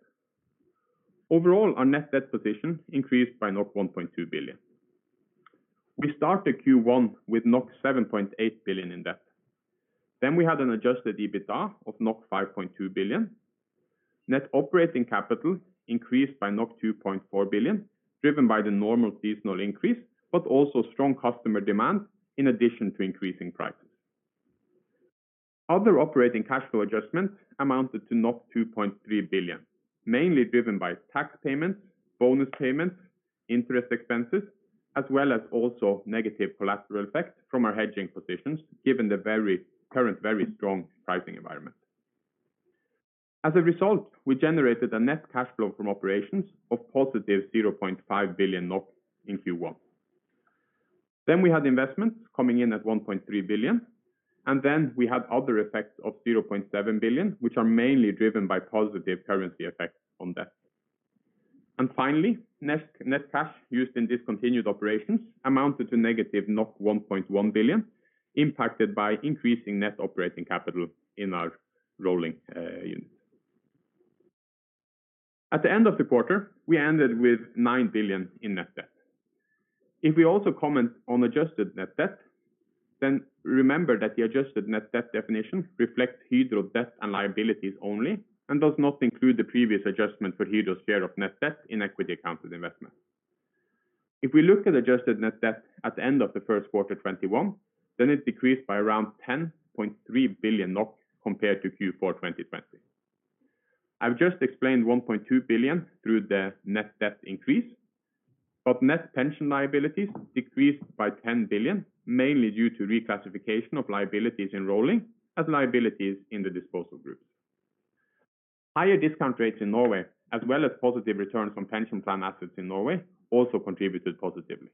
Overall, our net debt position increased by 1.2 billion. We started Q1 with 7.8 billion in debt. We had an adjusted EBITDA of 5.2 billion. Net operating capital increased by 2.4 billion, driven by the normal seasonal increase, but also strong customer demand in addition to increasing prices. Other operating cash flow adjustments amounted to 2.3 billion, mainly driven by tax payments, bonus payments, interest expenses, as well as also negative collateral effects from our hedging positions given the current very strong pricing environment. As a result, we generated a net cash flow from operations of +0.5 billion NOK in Q1. We had investments coming in at 1.3 billion, and then we had other effects of 0.7 billion, which are mainly driven by positive currency effects on debt. Finally, net cash used in discontinued operations amounted to -1.1 billion, impacted by increasing net operating capital in our rolling unit. At the end of the quarter, we ended with 9 billion in net debt. We also comment on adjusted net debt. Remember that the adjusted net debt definition reflects Hydro debt and liabilities only and does not include the previous adjustment for Hydro's share of net debt in equity accounted investment. We look at adjusted net debt at the end of the first quarter 2021. It decreased by around 10.3 billion NOK compared to Q4 2020. I have just explained 1.2 billion through the net debt increase. Net pension liabilities decreased by 10 billion, mainly due to reclassification of liabilities in rolling as liabilities in the disposal groups. Higher discount rates in Norway, as well as positive returns from pension plan assets in Norway, also contributed positively.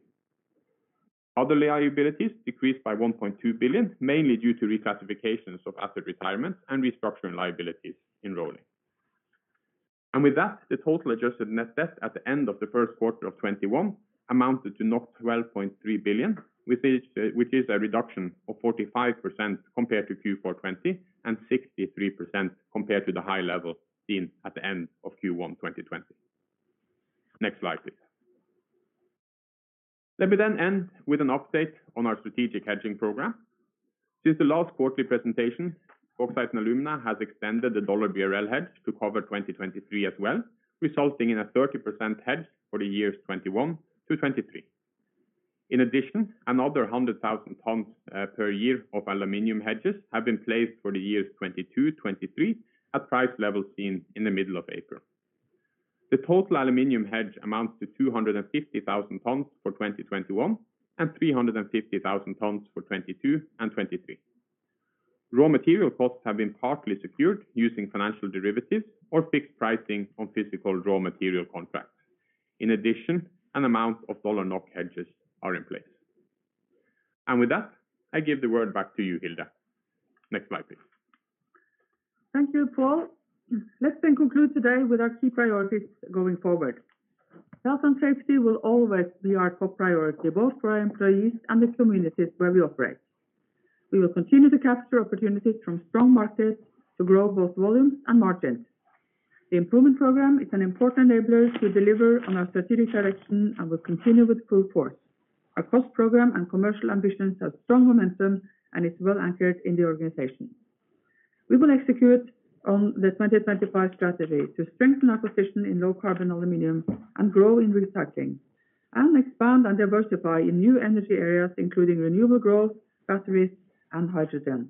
Other liabilities decreased by 1.2 billion, mainly due to reclassifications of asset retirement and restructuring liabilities in rolling. With that, the total adjusted net debt at the end of the first quarter of 2021 amounted to 12.3 billion, which is a reduction of 45% compared to Q4 2020 and 63% compared to the high level seen at the end of Q1 2020. Next slide, please. Let me end with an update on our strategic hedging program. Since the last quarterly presentation, Bauxite & Alumina has extended the USD BRL hedge to cover 2023 as well, resulting in a 30% hedge for the years 2021 to 2023. In addition, another 100,000 tons per year of aluminum hedges have been placed for the years 2022, 2023 at price levels seen in the middle of April. The total aluminum hedge amounts to 250,000 tons for 2021 and 350,000 tons for 2022 and 2023. Raw material costs have been partly secured using financial derivatives or fixed pricing on physical raw material contracts. In addition, an amount of dollar NOK hedges are in place. With that, I give the word back to you, Hilde. Next slide, please. Thank you, Pål. Let's conclude today with our key priorities going forward. Health and safety will always be our top priority, both for our employees and the communities where we operate. We will continue to capture opportunities from strong markets to grow both volumes and margins. The improvement program is an important enabler to deliver on our strategic direction and will continue with full force. Our cost program and commercial ambitions have strong momentum and is well anchored in the organization. We will execute on the 2025 strategy to strengthen our position in low carbon aluminum and grow in recycling, and expand and diversify in new energy areas, including renewable growth, batteries, and hydrogen.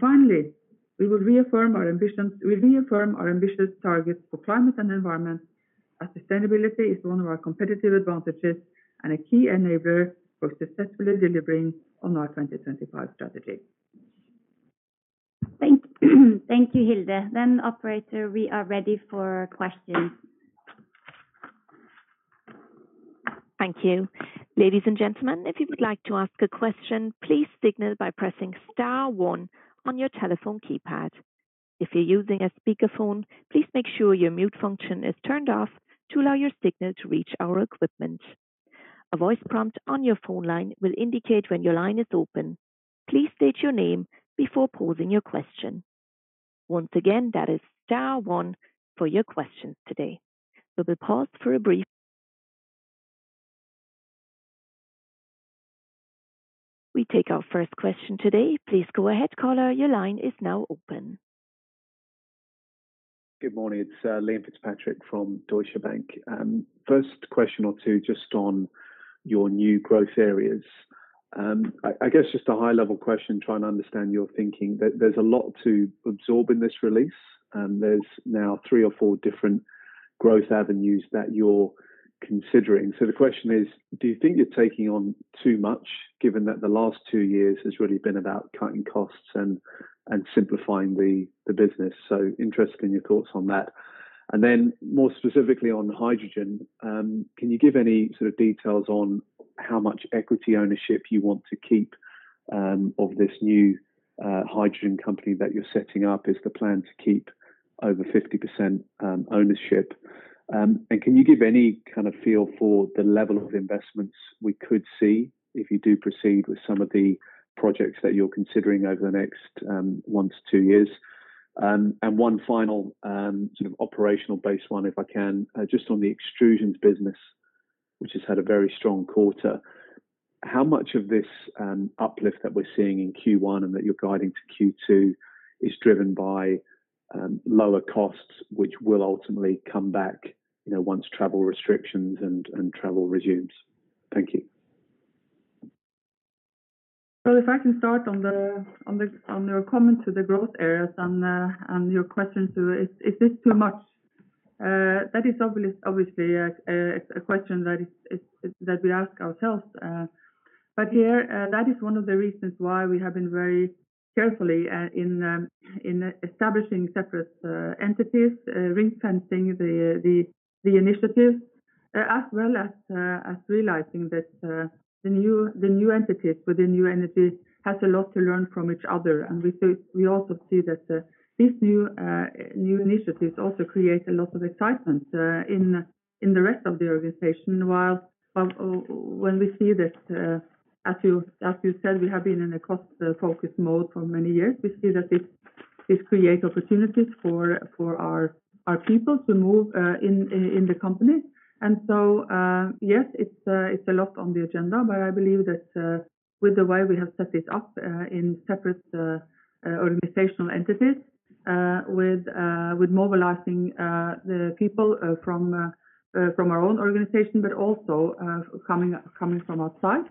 Finally, we will reaffirm our ambitious targets for climate and environment as sustainability is one of our competitive advantages and a key enabler for successfully delivering on our 2025 strategy. Thank you, Hilde. Operator, we are ready for questions. Thank you. Ladies and gentlemen, if you would like to ask a question, please signal by pressing star one on your telephone keypad. If you're using a speakerphone, please make sure your mute function is turned off to allow your signal to reach our equipment. A voice prompt on your phone line will indicate when your line is open. Please state your name before posing your question. Once again, that is star one for your questions today. We take our first question today. Please go ahead, caller. Your line is now open. Good morning. It's Liam Fitzpatrick from Deutsche Bank. First question or two just on your new growth areas. I guess just a high-level question, trying to understand your thinking. There's a lot to absorb in this release, and there's now three or four different growth avenues that you're considering. The question is, do you think you're taking on too much given that the last two years has really been about cutting costs and simplifying the business? Interested in your thoughts on that. More specifically on hydrogen, can you give any sort of details on how much equity ownership you want to keep of this new hydrogen company that you're setting up? Is the plan to keep over 50% ownership? Can you give any kind of feel for the level of investments we could see if you do proceed with some of the projects that you're considering over the next one to two years? One final sort of operational base one, if I can, just on the Extrusions business, which has had a very strong quarter. How much of this uplift that we're seeing in Q1 and that you're guiding to Q2 is driven by lower costs, which will ultimately come back once travel restrictions and travel resumes? Thank you. If I can start on your comment to the growth areas and your question, is this too much? That is obviously a question that we ask ourselves. Here, that is one of the reasons why we have been very carefully in establishing separate entities, ring-fencing the initiatives, as well as realizing that the new entities with the new entities has a lot to learn from each other. We also see that these new initiatives also create a lot of excitement in the rest of the organization, while when we see that, as you said, we have been in a cost-focused mode for many years. We see that this creates opportunities for our people to move in the company. Yes, it's a lot on the agenda, but I believe that with the way we have set it up in separate organizational entities with mobilizing the people from our own organization, but also coming from outside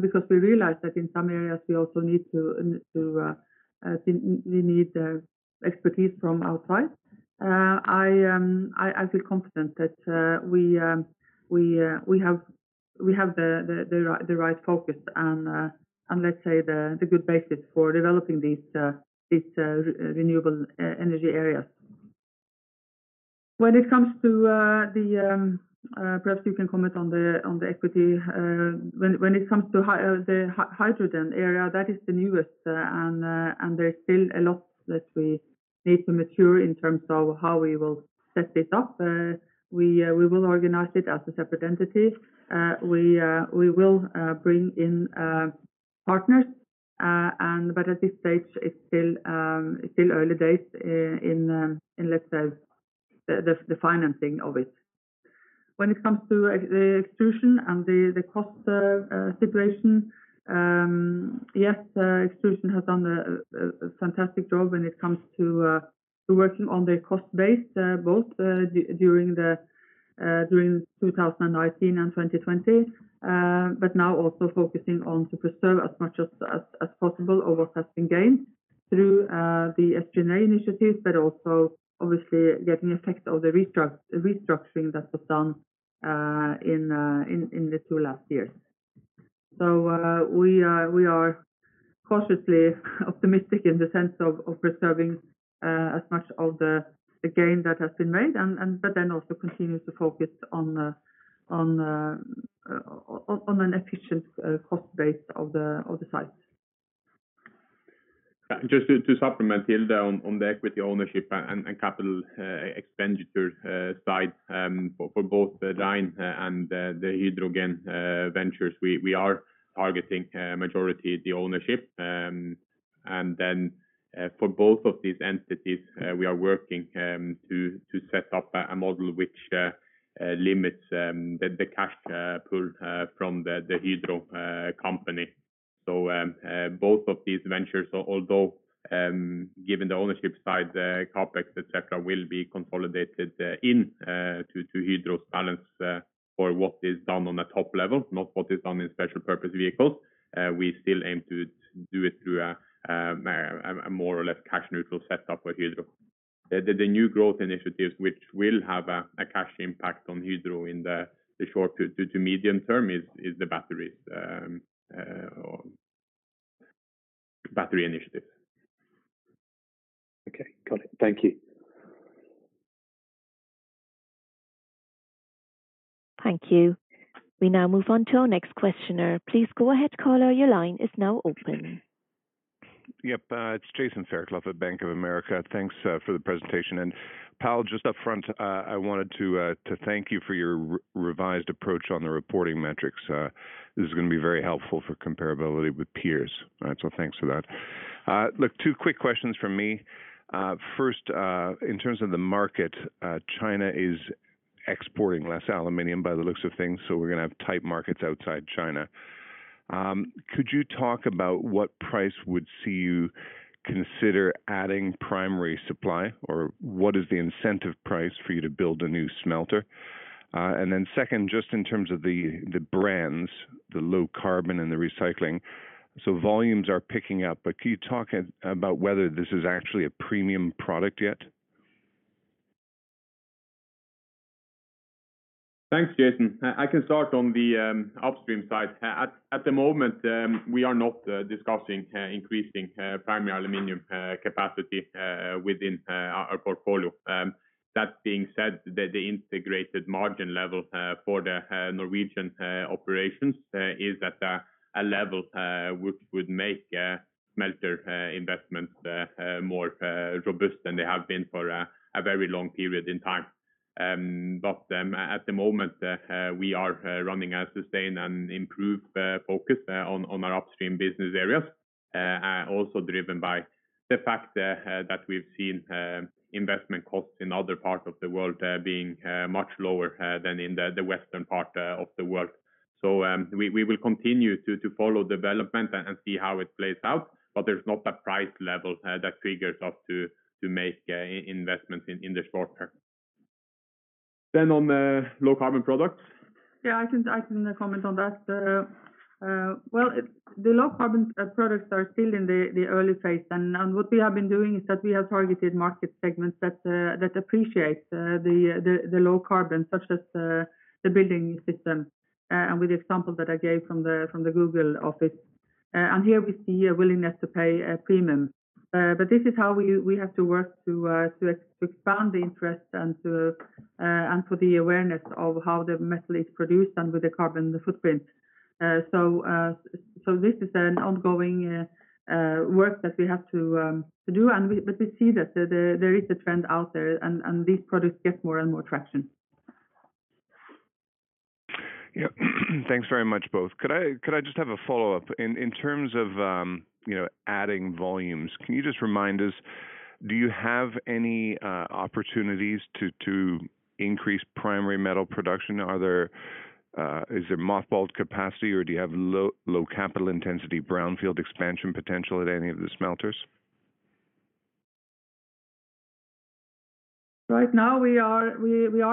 because we realize that in some areas we also need expertise from outside. I feel confident that we have the right focus and, let's say, the good basis for developing these renewable energy areas. Perhaps you can comment on the equity. When it comes to the hydrogen area, that is the newest, and there is still a lot that we need to mature in terms of how we will set this up. We will organize it as a separate entity. We will bring in partners, but at this stage, it's still early days in, let's say, the financing of it. When it comes to the extrusion and the cost situation, yes, extrusion has done a fantastic job when it comes to working on their cost base, both during 2019 and 2020. Now also focusing on to preserve as much as possible of what has been gained through the SG&A initiatives, also obviously getting effect of the restructuring that was done in the two last years. We are cautiously optimistic in the sense of preserving as much of the gain that has been made, then also continue to focus on an efficient cost base of the sites. Just to supplement Hilde on the equity ownership and capital expenditure side for both Rein and the hydrogen ventures, we are targeting majority the ownership. For both of these entities, we are working to set up a model which limits the cash pool from the Hydro company. Both of these ventures, although given the ownership side, CapEx, et cetera, will be consolidated into Hydro's balance for what is done on a top level, not what is done in special purpose vehicles. We still aim to do it through a more or less cash neutral set up for Hydro. The new growth initiatives, which will have a cash impact on Hydro in the short to medium term, is the batteries or battery initiative. Okay, got it. Thank you. Thank you. We now move on to our next questioner. Please go ahead, caller, your line is now open. Yep, it's Jason Fairclough at Bank of America. Thanks for the presentation. Pål, just up front, I wanted to thank you for your revised approach on the reporting metrics. This is going to be very helpful for comparability with peers. Thanks for that. Look, two quick questions from me. First, in terms of the market, China is exporting less aluminium by the looks of things, so we're going to have tight markets outside China. Could you talk about what price would see you consider adding primary supply, or what is the incentive price for you to build a new smelter? Then second, just in terms of the brands, the low carbon and the recycling. Volumes are picking up, but can you talk about whether this is actually a premium product yet? Thanks, Jason. I can start on the upstream side. At the moment, we are not discussing increasing primary aluminum capacity within our portfolio. That being said, the integrated margin level for the Norwegian operations is at a level which would make smelter investment more robust than they have been for a very long period of time. At the moment, we are running a sustained and improved focus on our upstream business areas, also driven by the fact that we've seen investment costs in other parts of the world being much lower than in the western part of the world. We will continue to follow development and see how it plays out, but there's not a price level that triggers us to make investments in the short term. On the low carbon products. Yeah, I can comment on that. Well, the low-carbon products are still in the early phase, and what we have been doing is that we have targeted market segments that appreciate the low-carbon, such as the building system, and with the example that I gave from the Google office. Here we see a willingness to pay a premium. This is how we have to work to expand the interest and for the awareness of how the metal is produced and with the carbon footprint. This is an ongoing work that we have to do, and we see that there is a trend out there, and these products get more and more traction. Yep. Thanks very much, both. Could I just have a follow-up? In terms of adding volumes, can you just remind us, do you have any opportunities to increase primary metal production? Is there mothballed capacity, or do you have low capital intensity brownfield expansion potential at any of the smelters? Right now we are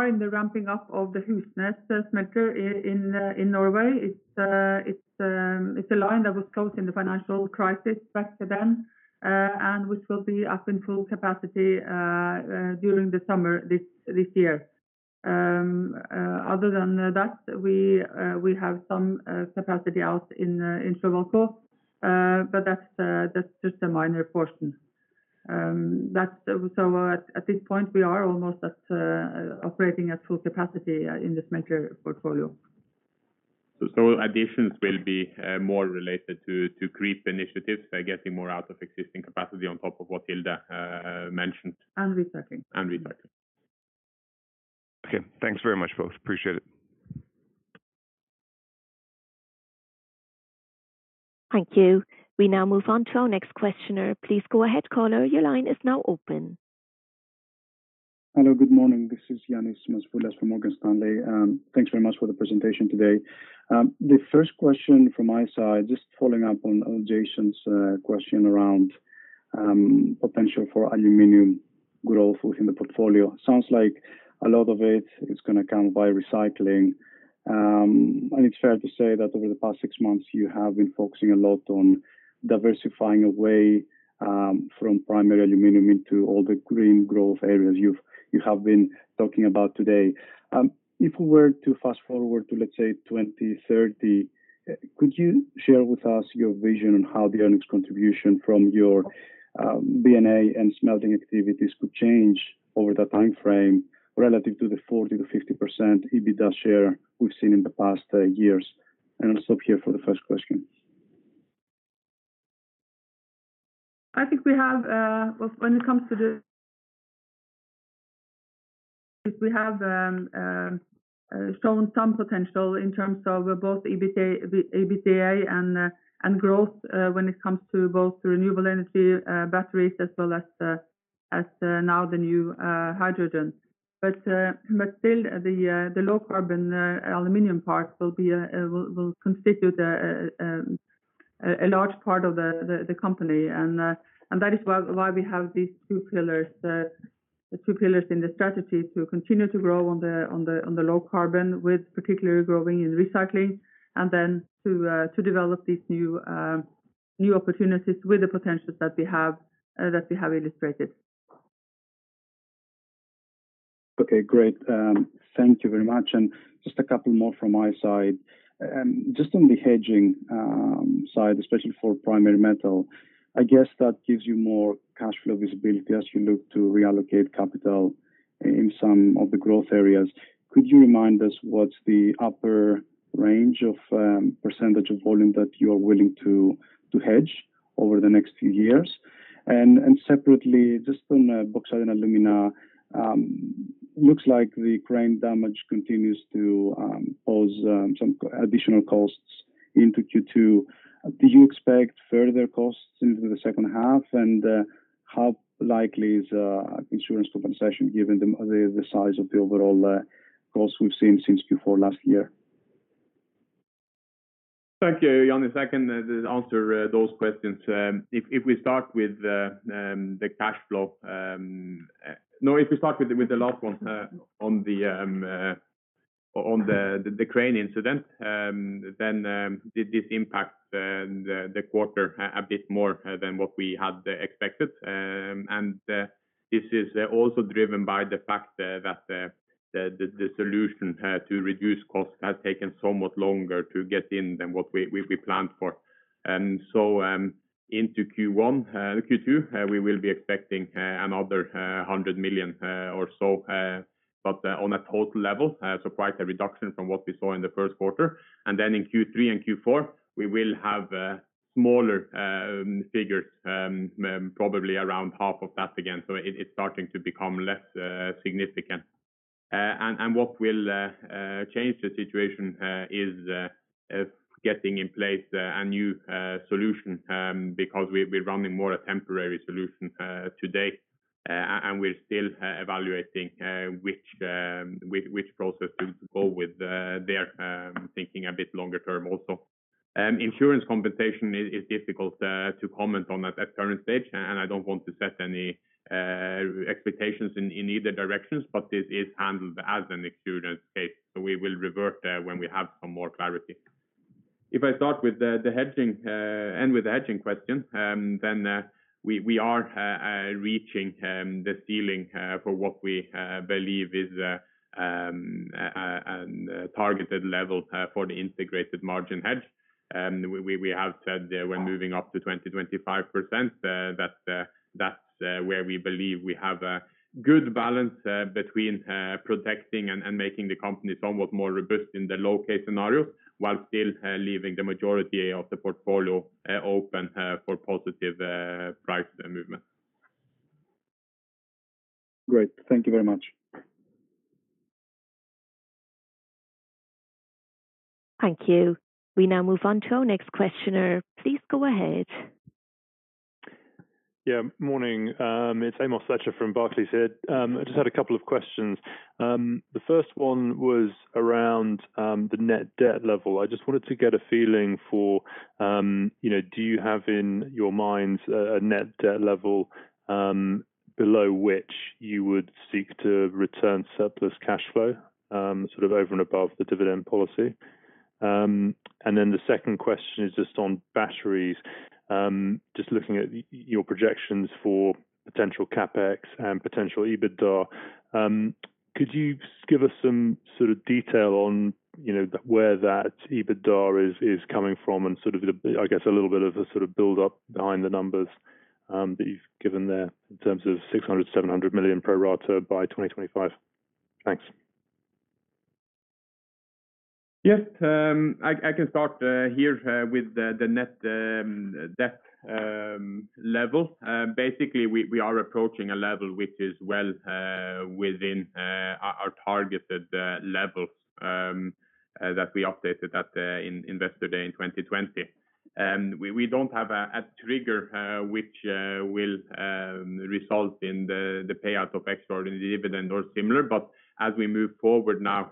in the ramping up of the Husnes smelter in Norway. It's a line that was closed in the financial crisis back then, and which will be up in full capacity during the summer this year. Other than that, we have some capacity out in Sravanpur, but that's just a minor portion. At this point, we are almost at operating at full capacity in the smelter portfolio. Additions will be more related to creep initiatives, getting more out of existing capacity on top of what Hilde mentioned. Recycling. Recycling. Okay. Thanks very much, folks. Appreciate it. Thank you. We now move on to our next questioner. Please go ahead, caller. Your line is now open. Hello, good morning. This is Ioannis Masvoulas from Morgan Stanley. Thanks very much for the presentation today. The first question from my side, just following up on Jason Fairclough's question around potential for aluminum growth within the portfolio. Sounds like a lot of it is going to come by recycling. It's fair to say that over the past six months you have been focusing a lot on diversifying away from primary aluminum into all the green growth areas you have been talking about today. If we were to fast-forward to, let's say 2030, could you share with us your vision on how the earnings contribution from your B&A and smelting activities could change over that time frame relative to the 40%-50% EBITDA share we've seen in the past years? I'll stop here for the first question. Well, we have shown some potential in terms of both EBITDA and growth when it comes to both renewable energy batteries as well as now the new hydrogen. Still the low carbon aluminum part will constitute a large part of the company, and that is why we have these two pillars in the strategy to continue to grow on the low carbon, with particularly growing in recycling, and then to develop these new opportunities with the potential that we have illustrated. Okay, great. Thank you very much. Just a couple more from my side. Just on the hedging side, especially for primary metal, I guess that gives you more cash flow visibility as you look to reallocate capital in some of the growth areas. Could you remind us what's the upper range of percentage of volume that you are willing to hedge over the next few years? Separately, just on Bauxite & Alumina, looks like the crane damage continues to pose some additional costs into Q2. Do you expect further costs into the second half? How likely is insurance compensation given the size of the overall costs we've seen since Q4 last year? Thank you, Ioannis. I can answer those questions. If we start with the last one on the crane incident, this impacts the quarter a bit more than what we had expected. This is also driven by the fact that the solution to reduce costs has taken somewhat longer to get in than what we planned for. Into Q2, we will be expecting another 100 million or so, but on a total level, quite a reduction from what we saw in the first quarter. In Q3 and Q4, we will have smaller figures, probably around half of that again. It's starting to become less significant. What will change the situation is getting in place a new solution, because we're running more a temporary solution today. We're still evaluating which process to go with there, thinking a bit longer term also. Insurance compensation is difficult to comment on at current stage, and I don't want to set any expectations in either directions, but it is handled as an insurance case. We will revert when we have some more clarity. If I start with the hedging question, we are reaching the ceiling for what we believe is a targeted level for the integrated margin hedge. We have said we're moving up to 20%-25%. That's where we believe we have a good balance between protecting and making the company somewhat more robust in the low-case scenario, while still leaving the majority of the portfolio open for positive price movement. Great. Thank you very much. Thank you. We now move on to our next questioner. Please go ahead. Yeah, morning. It's Amos Fletcher from Barclays here. I just had a couple of questions. The first one was around the net debt level. I just wanted to get a feeling for do you have in your minds a net debt level below which you would seek to return surplus cash flow, sort of over and above the dividend policy? The second question is just on batteries. Just looking at your projections for potential CapEx and potential EBITDA, could you give us some sort of detail on where that EBITDA is coming from and sort of, I guess, a little bit of a sort of build up behind the numbers that you've given there in terms of 600 million-700 million pro rata by 2025? Thanks. Yes. I can start here with the net debt level. Basically, we are approaching a level which is well within our targeted levels that we updated at Investor Day in 2020. We don't have a trigger which will result in the payout of extraordinary dividend or similar. As we move forward now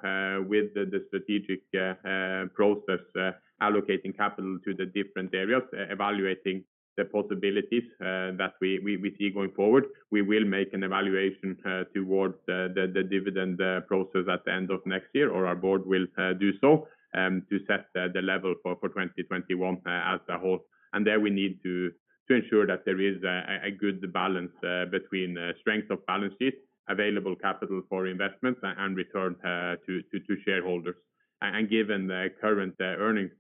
with the strategic process, allocating capital to the different areas, evaluating the possibilities that we see going forward, we will make an evaluation towards the dividend process at the end of next year, or our board will do so to set the level for 2021 as a whole. There we need to ensure that there is a good balance between strength of balance sheet, available capital for investments, and return to shareholders. Given the current earnings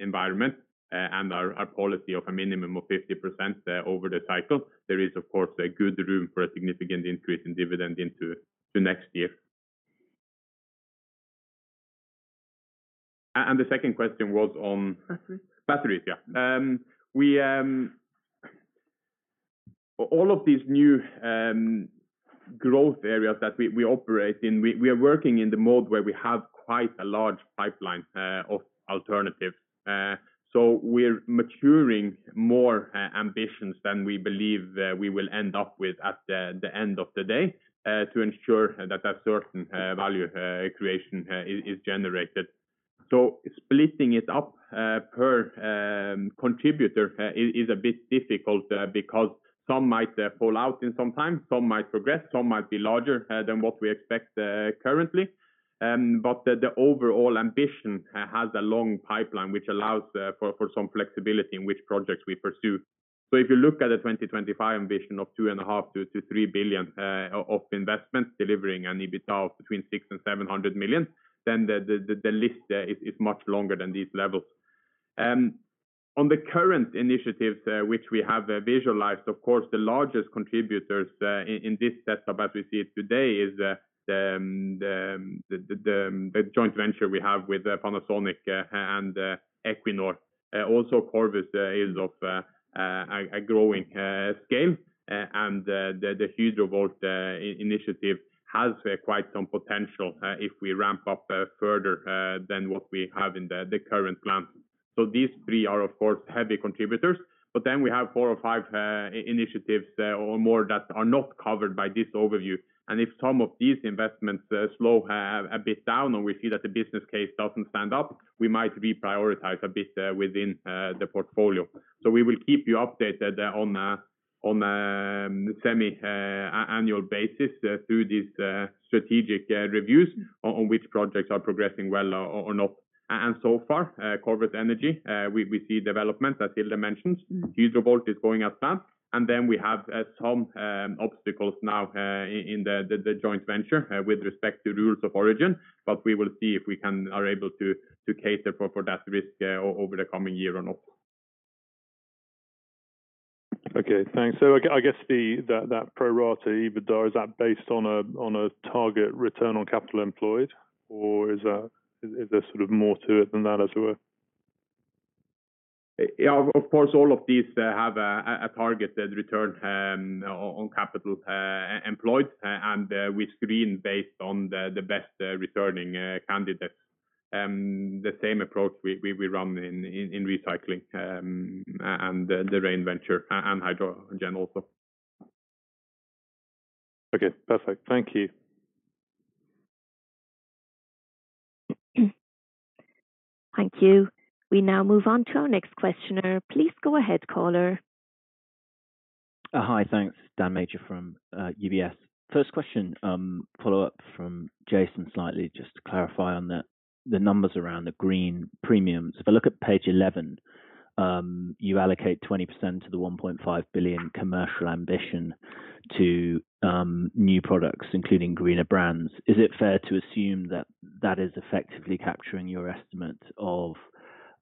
environment and our policy of a minimum of 50% over the cycle, there is of course, a good room for a significant increase in dividend into next year. The second question was on. Batteries All of these new growth areas that we operate in, we are working in the mode where we have quite a large pipeline of alternatives. We're maturing more ambitions than we believe we will end up with at the end of the day to ensure that a certain value creation is generated. Splitting it up per contributor is a bit difficult because some might fall out in some time, some might progress, some might be larger than what we expect currently. The overall ambition has a long pipeline, which allows for some flexibility in which projects we pursue. If you look at the 2025 ambition of two and a half to three billion of investments delivering an EBITA of between 600 million and 700 million, then the list is much longer than these levels. On the current initiatives which we have visualized, of course, the largest contributors in this setup as we see it today is the joint venture we have with Panasonic and Equinor. Also, Corvus is of a growing scale. The Hydrovolt initiative has quite some potential if we ramp up further than what we have in the current plan. These three are of course heavy contributors. We have four or five initiatives or more that are not covered by this overview. If some of these investments slow a bit down and we see that the business case doesn't stand up, we might reprioritize a bit within the portfolio. We will keep you updated on a semiannual basis through these strategic reviews on which projects are progressing well or not. So far, Corvus Energy, we see development, as Hilde mentioned. Hydrovolt is going as planned. We have some obstacles now in the joint venture with respect to rules of origin, but we will see if we are able to cater for that risk over the coming year or not. Okay, thanks. I guess that pro rata EBITDA, is that based on a target return on capital employed or is there more to it than that, as it were? Yeah, of course, all of these have a targeted return on capital employed, and we screen based on the best returning candidates. The same approach we run in recycling and the Hydro Rein venture and hydro gen also. Okay, perfect. Thank you. Thank you. We now move on to our next questioner. Please go ahead, caller. Hi, thanks. Dan Major from UBS. First question, follow-up from Jason slightly, just to clarify on the numbers around the green premiums. If I look at page 11, you allocate 20% of the 1.5 billion commercial ambition to new products, including greener brands. Is it fair to assume that that is effectively capturing your estimate of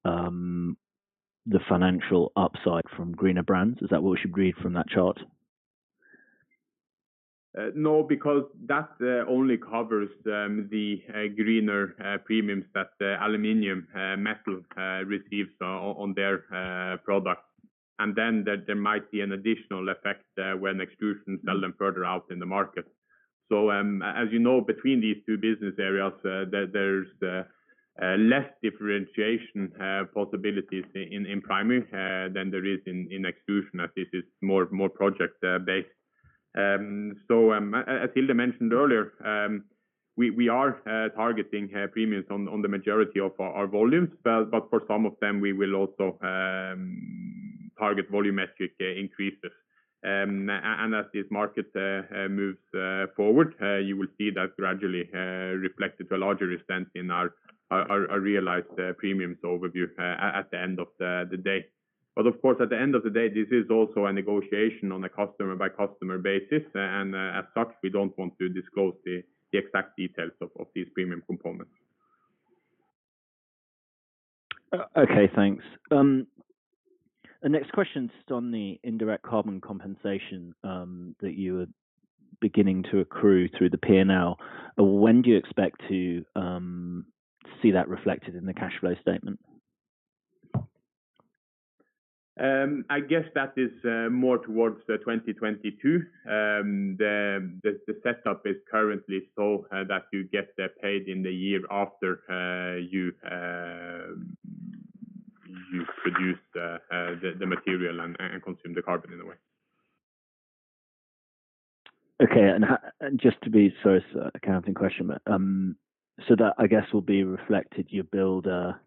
the financial upside from greener brands? Is that what we should read from that chart? No, because that only covers the greener premiums that Aluminium Metal receives on their product. Then there might be an additional effect when extrusions sell them further out in the market. As you know, between these two business areas, there's less differentiation possibilities in primary than there is in extrusion, as this is more project-based. As Hilde mentioned earlier, we are targeting premiums on the majority of our volumes. For some of them, we will also target volumetric increases. As this market moves forward, you will see that gradually reflected to a larger extent in our realized premiums overview at the end of the day. Of course, at the end of the day, this is also a negotiation on a customer-by-customer basis. As such, we don't want to disclose the exact details of these premium components. Okay, thanks. The next question is on the indirect carbon compensation that you are beginning to accrue through the P&L. When do you expect to see that reflected in the cash flow statement? I guess that is more towards 2022. The setup is currently so that you get paid in the year after you produce the material and consume the carbon, in a way. Okay. Sorry, it's an accounting question, that, I guess, will be reflected, you build a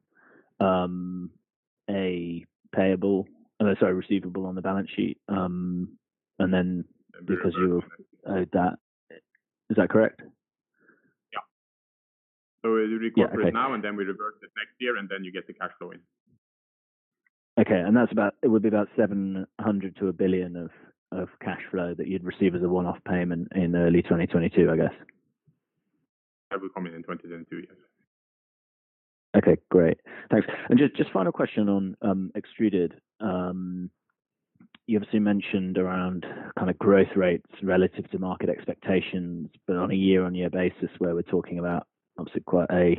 receivable on the balance sheet, then because you've owed that. Is that correct? Yeah. We record it now, and then we reverse it next year, and then you get the cash flow in. It would be about 700 million-1 billion of cash flow that you'd receive as a one-off payment in early 2022, I guess. That would come in in 2022, yes. Okay, great. Thanks. Just final question on Extruded. You obviously mentioned around growth rates relative to market expectations, but on a year-on-year basis, where we're talking about obviously quite a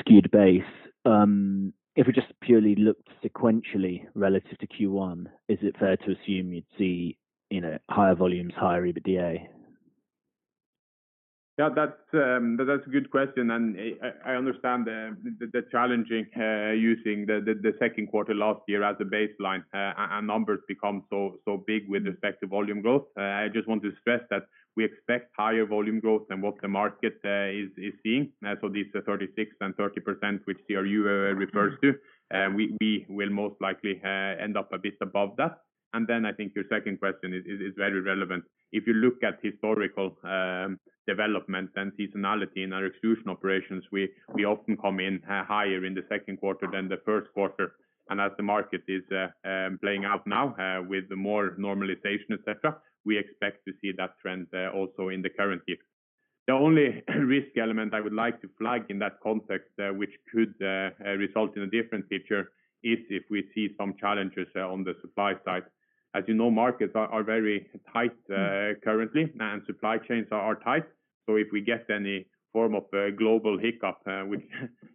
skewed base. If we just purely looked sequentially relative to Q1, is it fair to assume you'd see higher volumes, higher EBITDA? Yeah, that's a good question. I understand the challenging using the second quarter last year as a baseline. Numbers become so big with respect to volume growth. I just want to stress that we expect higher volume growth than what the market is seeing. This 36% and 30%, which CRU refers to, we will most likely end up a bit above that. Then I think your second question is very relevant. If you look at historical development and seasonality in our extrusion operations, we often come in higher in the second quarter than the first quarter. As the market is playing out now with the more normalization, et cetera, we expect to see that trend also in the current year. The only risk element I would like to flag in that context, which could result in a different picture, is if we see some challenges on the supply side. As you know, markets are very tight currently, and supply chains are tight. If we get any form of global hiccup, which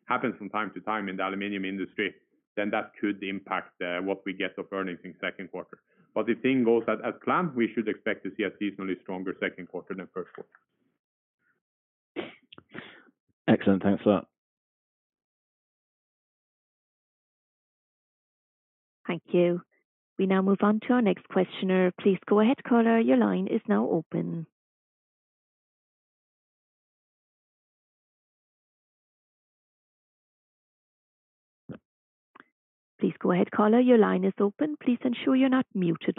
happens from time to time in the aluminum industry, then that could impact what we get of earnings in second quarter. If things go as planned, we should expect to see a seasonally stronger second quarter than first quarter. Excellent. Thanks a lot. Thank you. We now move on to our next questioner. Please go ahead caller, your line is now open. Please go ahead caller your line is open please ensure youare not muted.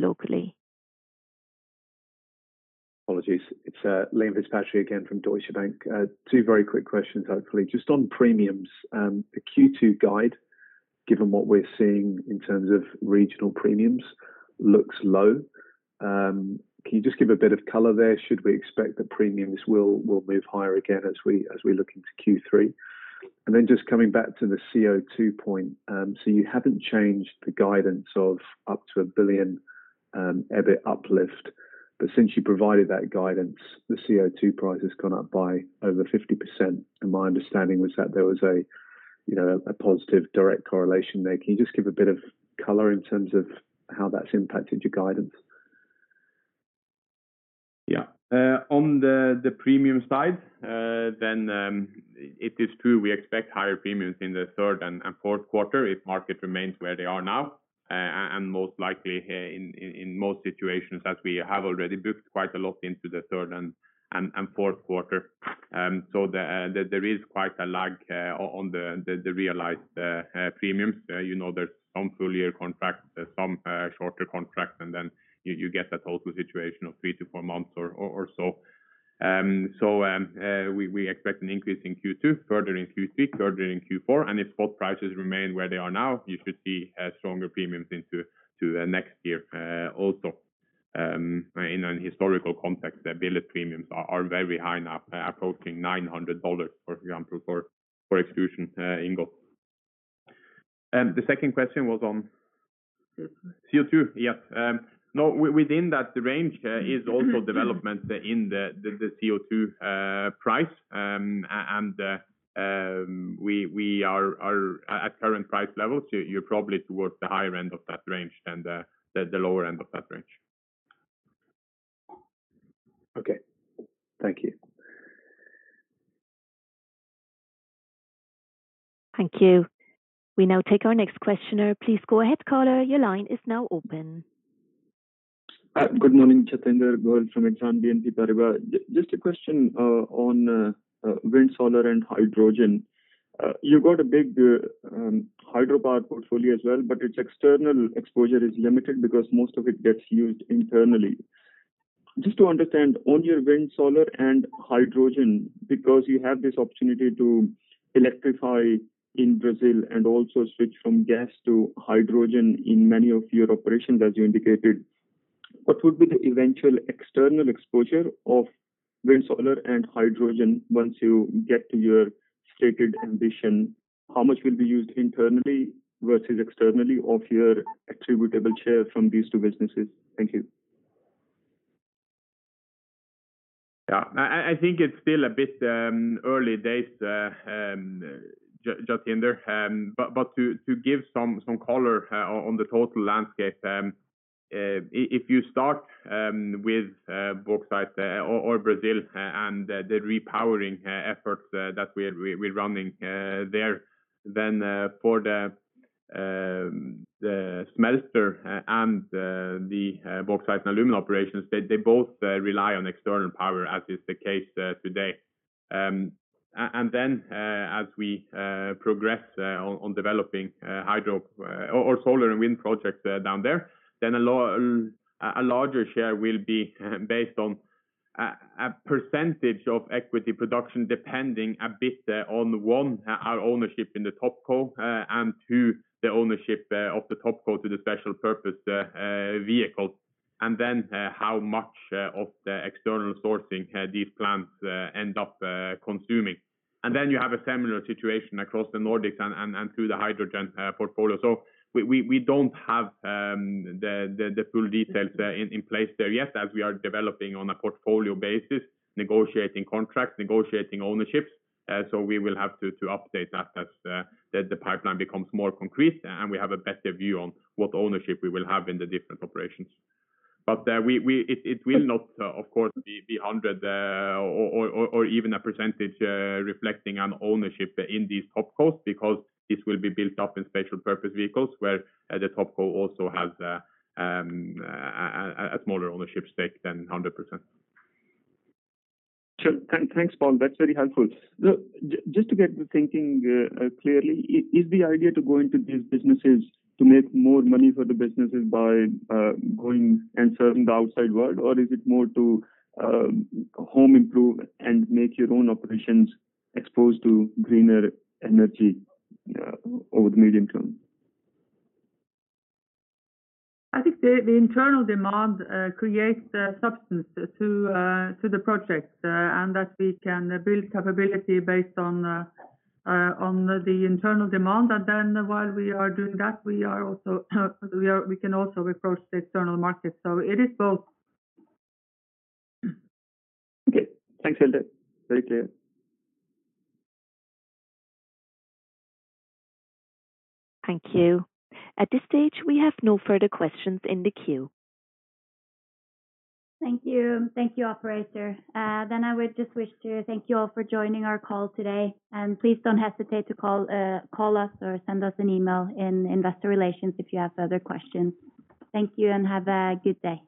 Apologies. It's Liam Fitzpatrick again from Deutsche Bank. Two very quick questions, hopefully. Just on premiums, the Q2 guide, given what we're seeing in terms of regional premiums, looks low. Can you just give a bit of color there? Should we expect the premiums will move higher again as we look into Q3? Then just coming back to the CO2 point. You haven't changed the guidance of up to a 1 billion EBIT uplift, but since you provided that guidance, the CO2 price has gone up by over 50%, my understanding was that there was a positive direct correlation there. Can you just give a bit of color in terms of how that's impacted your guidance? Yeah. On the premium side, it is true we expect higher premiums in the third and fourth quarter if market remains where they are now, and most likely in most situations as we have already booked quite a lot into the third and fourth quarter. There is quite a lag on the realized premiums. There's some full year contracts, there's some shorter contracts, and then you get that total situation of three to four months or so. We expect an increase in Q2, further in Q3, further in Q4, and if spot prices remain where they are now, you should see stronger premiums into next year. Also in an historical context, the billet premiums are very high now, approaching $900, for example, for extrusion ingot. The second question was. CO2 CO2, yeah. Within that range is also development in the CO2 price, and we are at current price levels. You're probably towards the higher end of that range than the lower end of that range. Okay. Thank you. Thank you. We now take our next questioner. Please go ahead, caller. Your line is now open. Good morning. Jatinder Goel from Exane BNP Paribas. Just a question on wind, solar, and hydrogen. You've got a big hydropower portfolio as well, but its external exposure is limited because most of it gets used internally. Just to understand, on your wind, solar, and hydrogen, because you have this opportunity to electrify in Brazil and also switch from gas to hydrogen in many of your operations as you indicated, what would be the eventual external exposure of wind, solar, and hydrogen once you get to your stated ambition? How much will be used internally versus externally of your attributable share from these two businesses? Thank you. Yeah. I think it's still a bit early days, Jatinder, but to give some color on the total landscape, if you start with bauxite or Brazil and the repowering efforts that we're running there, then for the smelter and the bauxite and aluminum operations, they both rely on external power as is the case today. As we progress on developing solar and wind projects down there, then a larger share will be based on a percentage of equity production, depending a bit on, one, our ownership in the topco, and two, the ownership of the topco to the special purpose vehicle, and then how much of the external sourcing these plants end up consuming. You have a similar situation across the Nordics and through the hydrogen portfolio. We don't have the full details in place there yet as we are developing on a portfolio basis, negotiating contracts, negotiating ownerships. We will have to update that as the pipeline becomes more concrete and we have a better view on what ownership we will have in the different operations. It will not, of course, be 100% or even a percentage reflecting an ownership in these topcos because this will be built up in special purpose vehicles where the topco also has a smaller ownership stake than 100%. Sure. Thanks, Pål. That is very helpful. Just to get the thinking clearly, is the idea to go into these businesses to make more money for the businesses by going and serving the outside world, or is it more to home improve and make your own operations exposed to greener energy over the medium term? I think the internal demand creates substance to the project, that we can build capability based on the internal demand. While we are doing that, we can also approach the external market. It is both. Okay. Thanks, Hilde. Very clear. Thank you. At this stage, we have no further questions in the queue. Thank you. Thank you, operator. I would just wish to thank you all for joining our call today, and please don't hesitate to call us or send us an email in investor relations if you have further questions. Thank you and have a good day.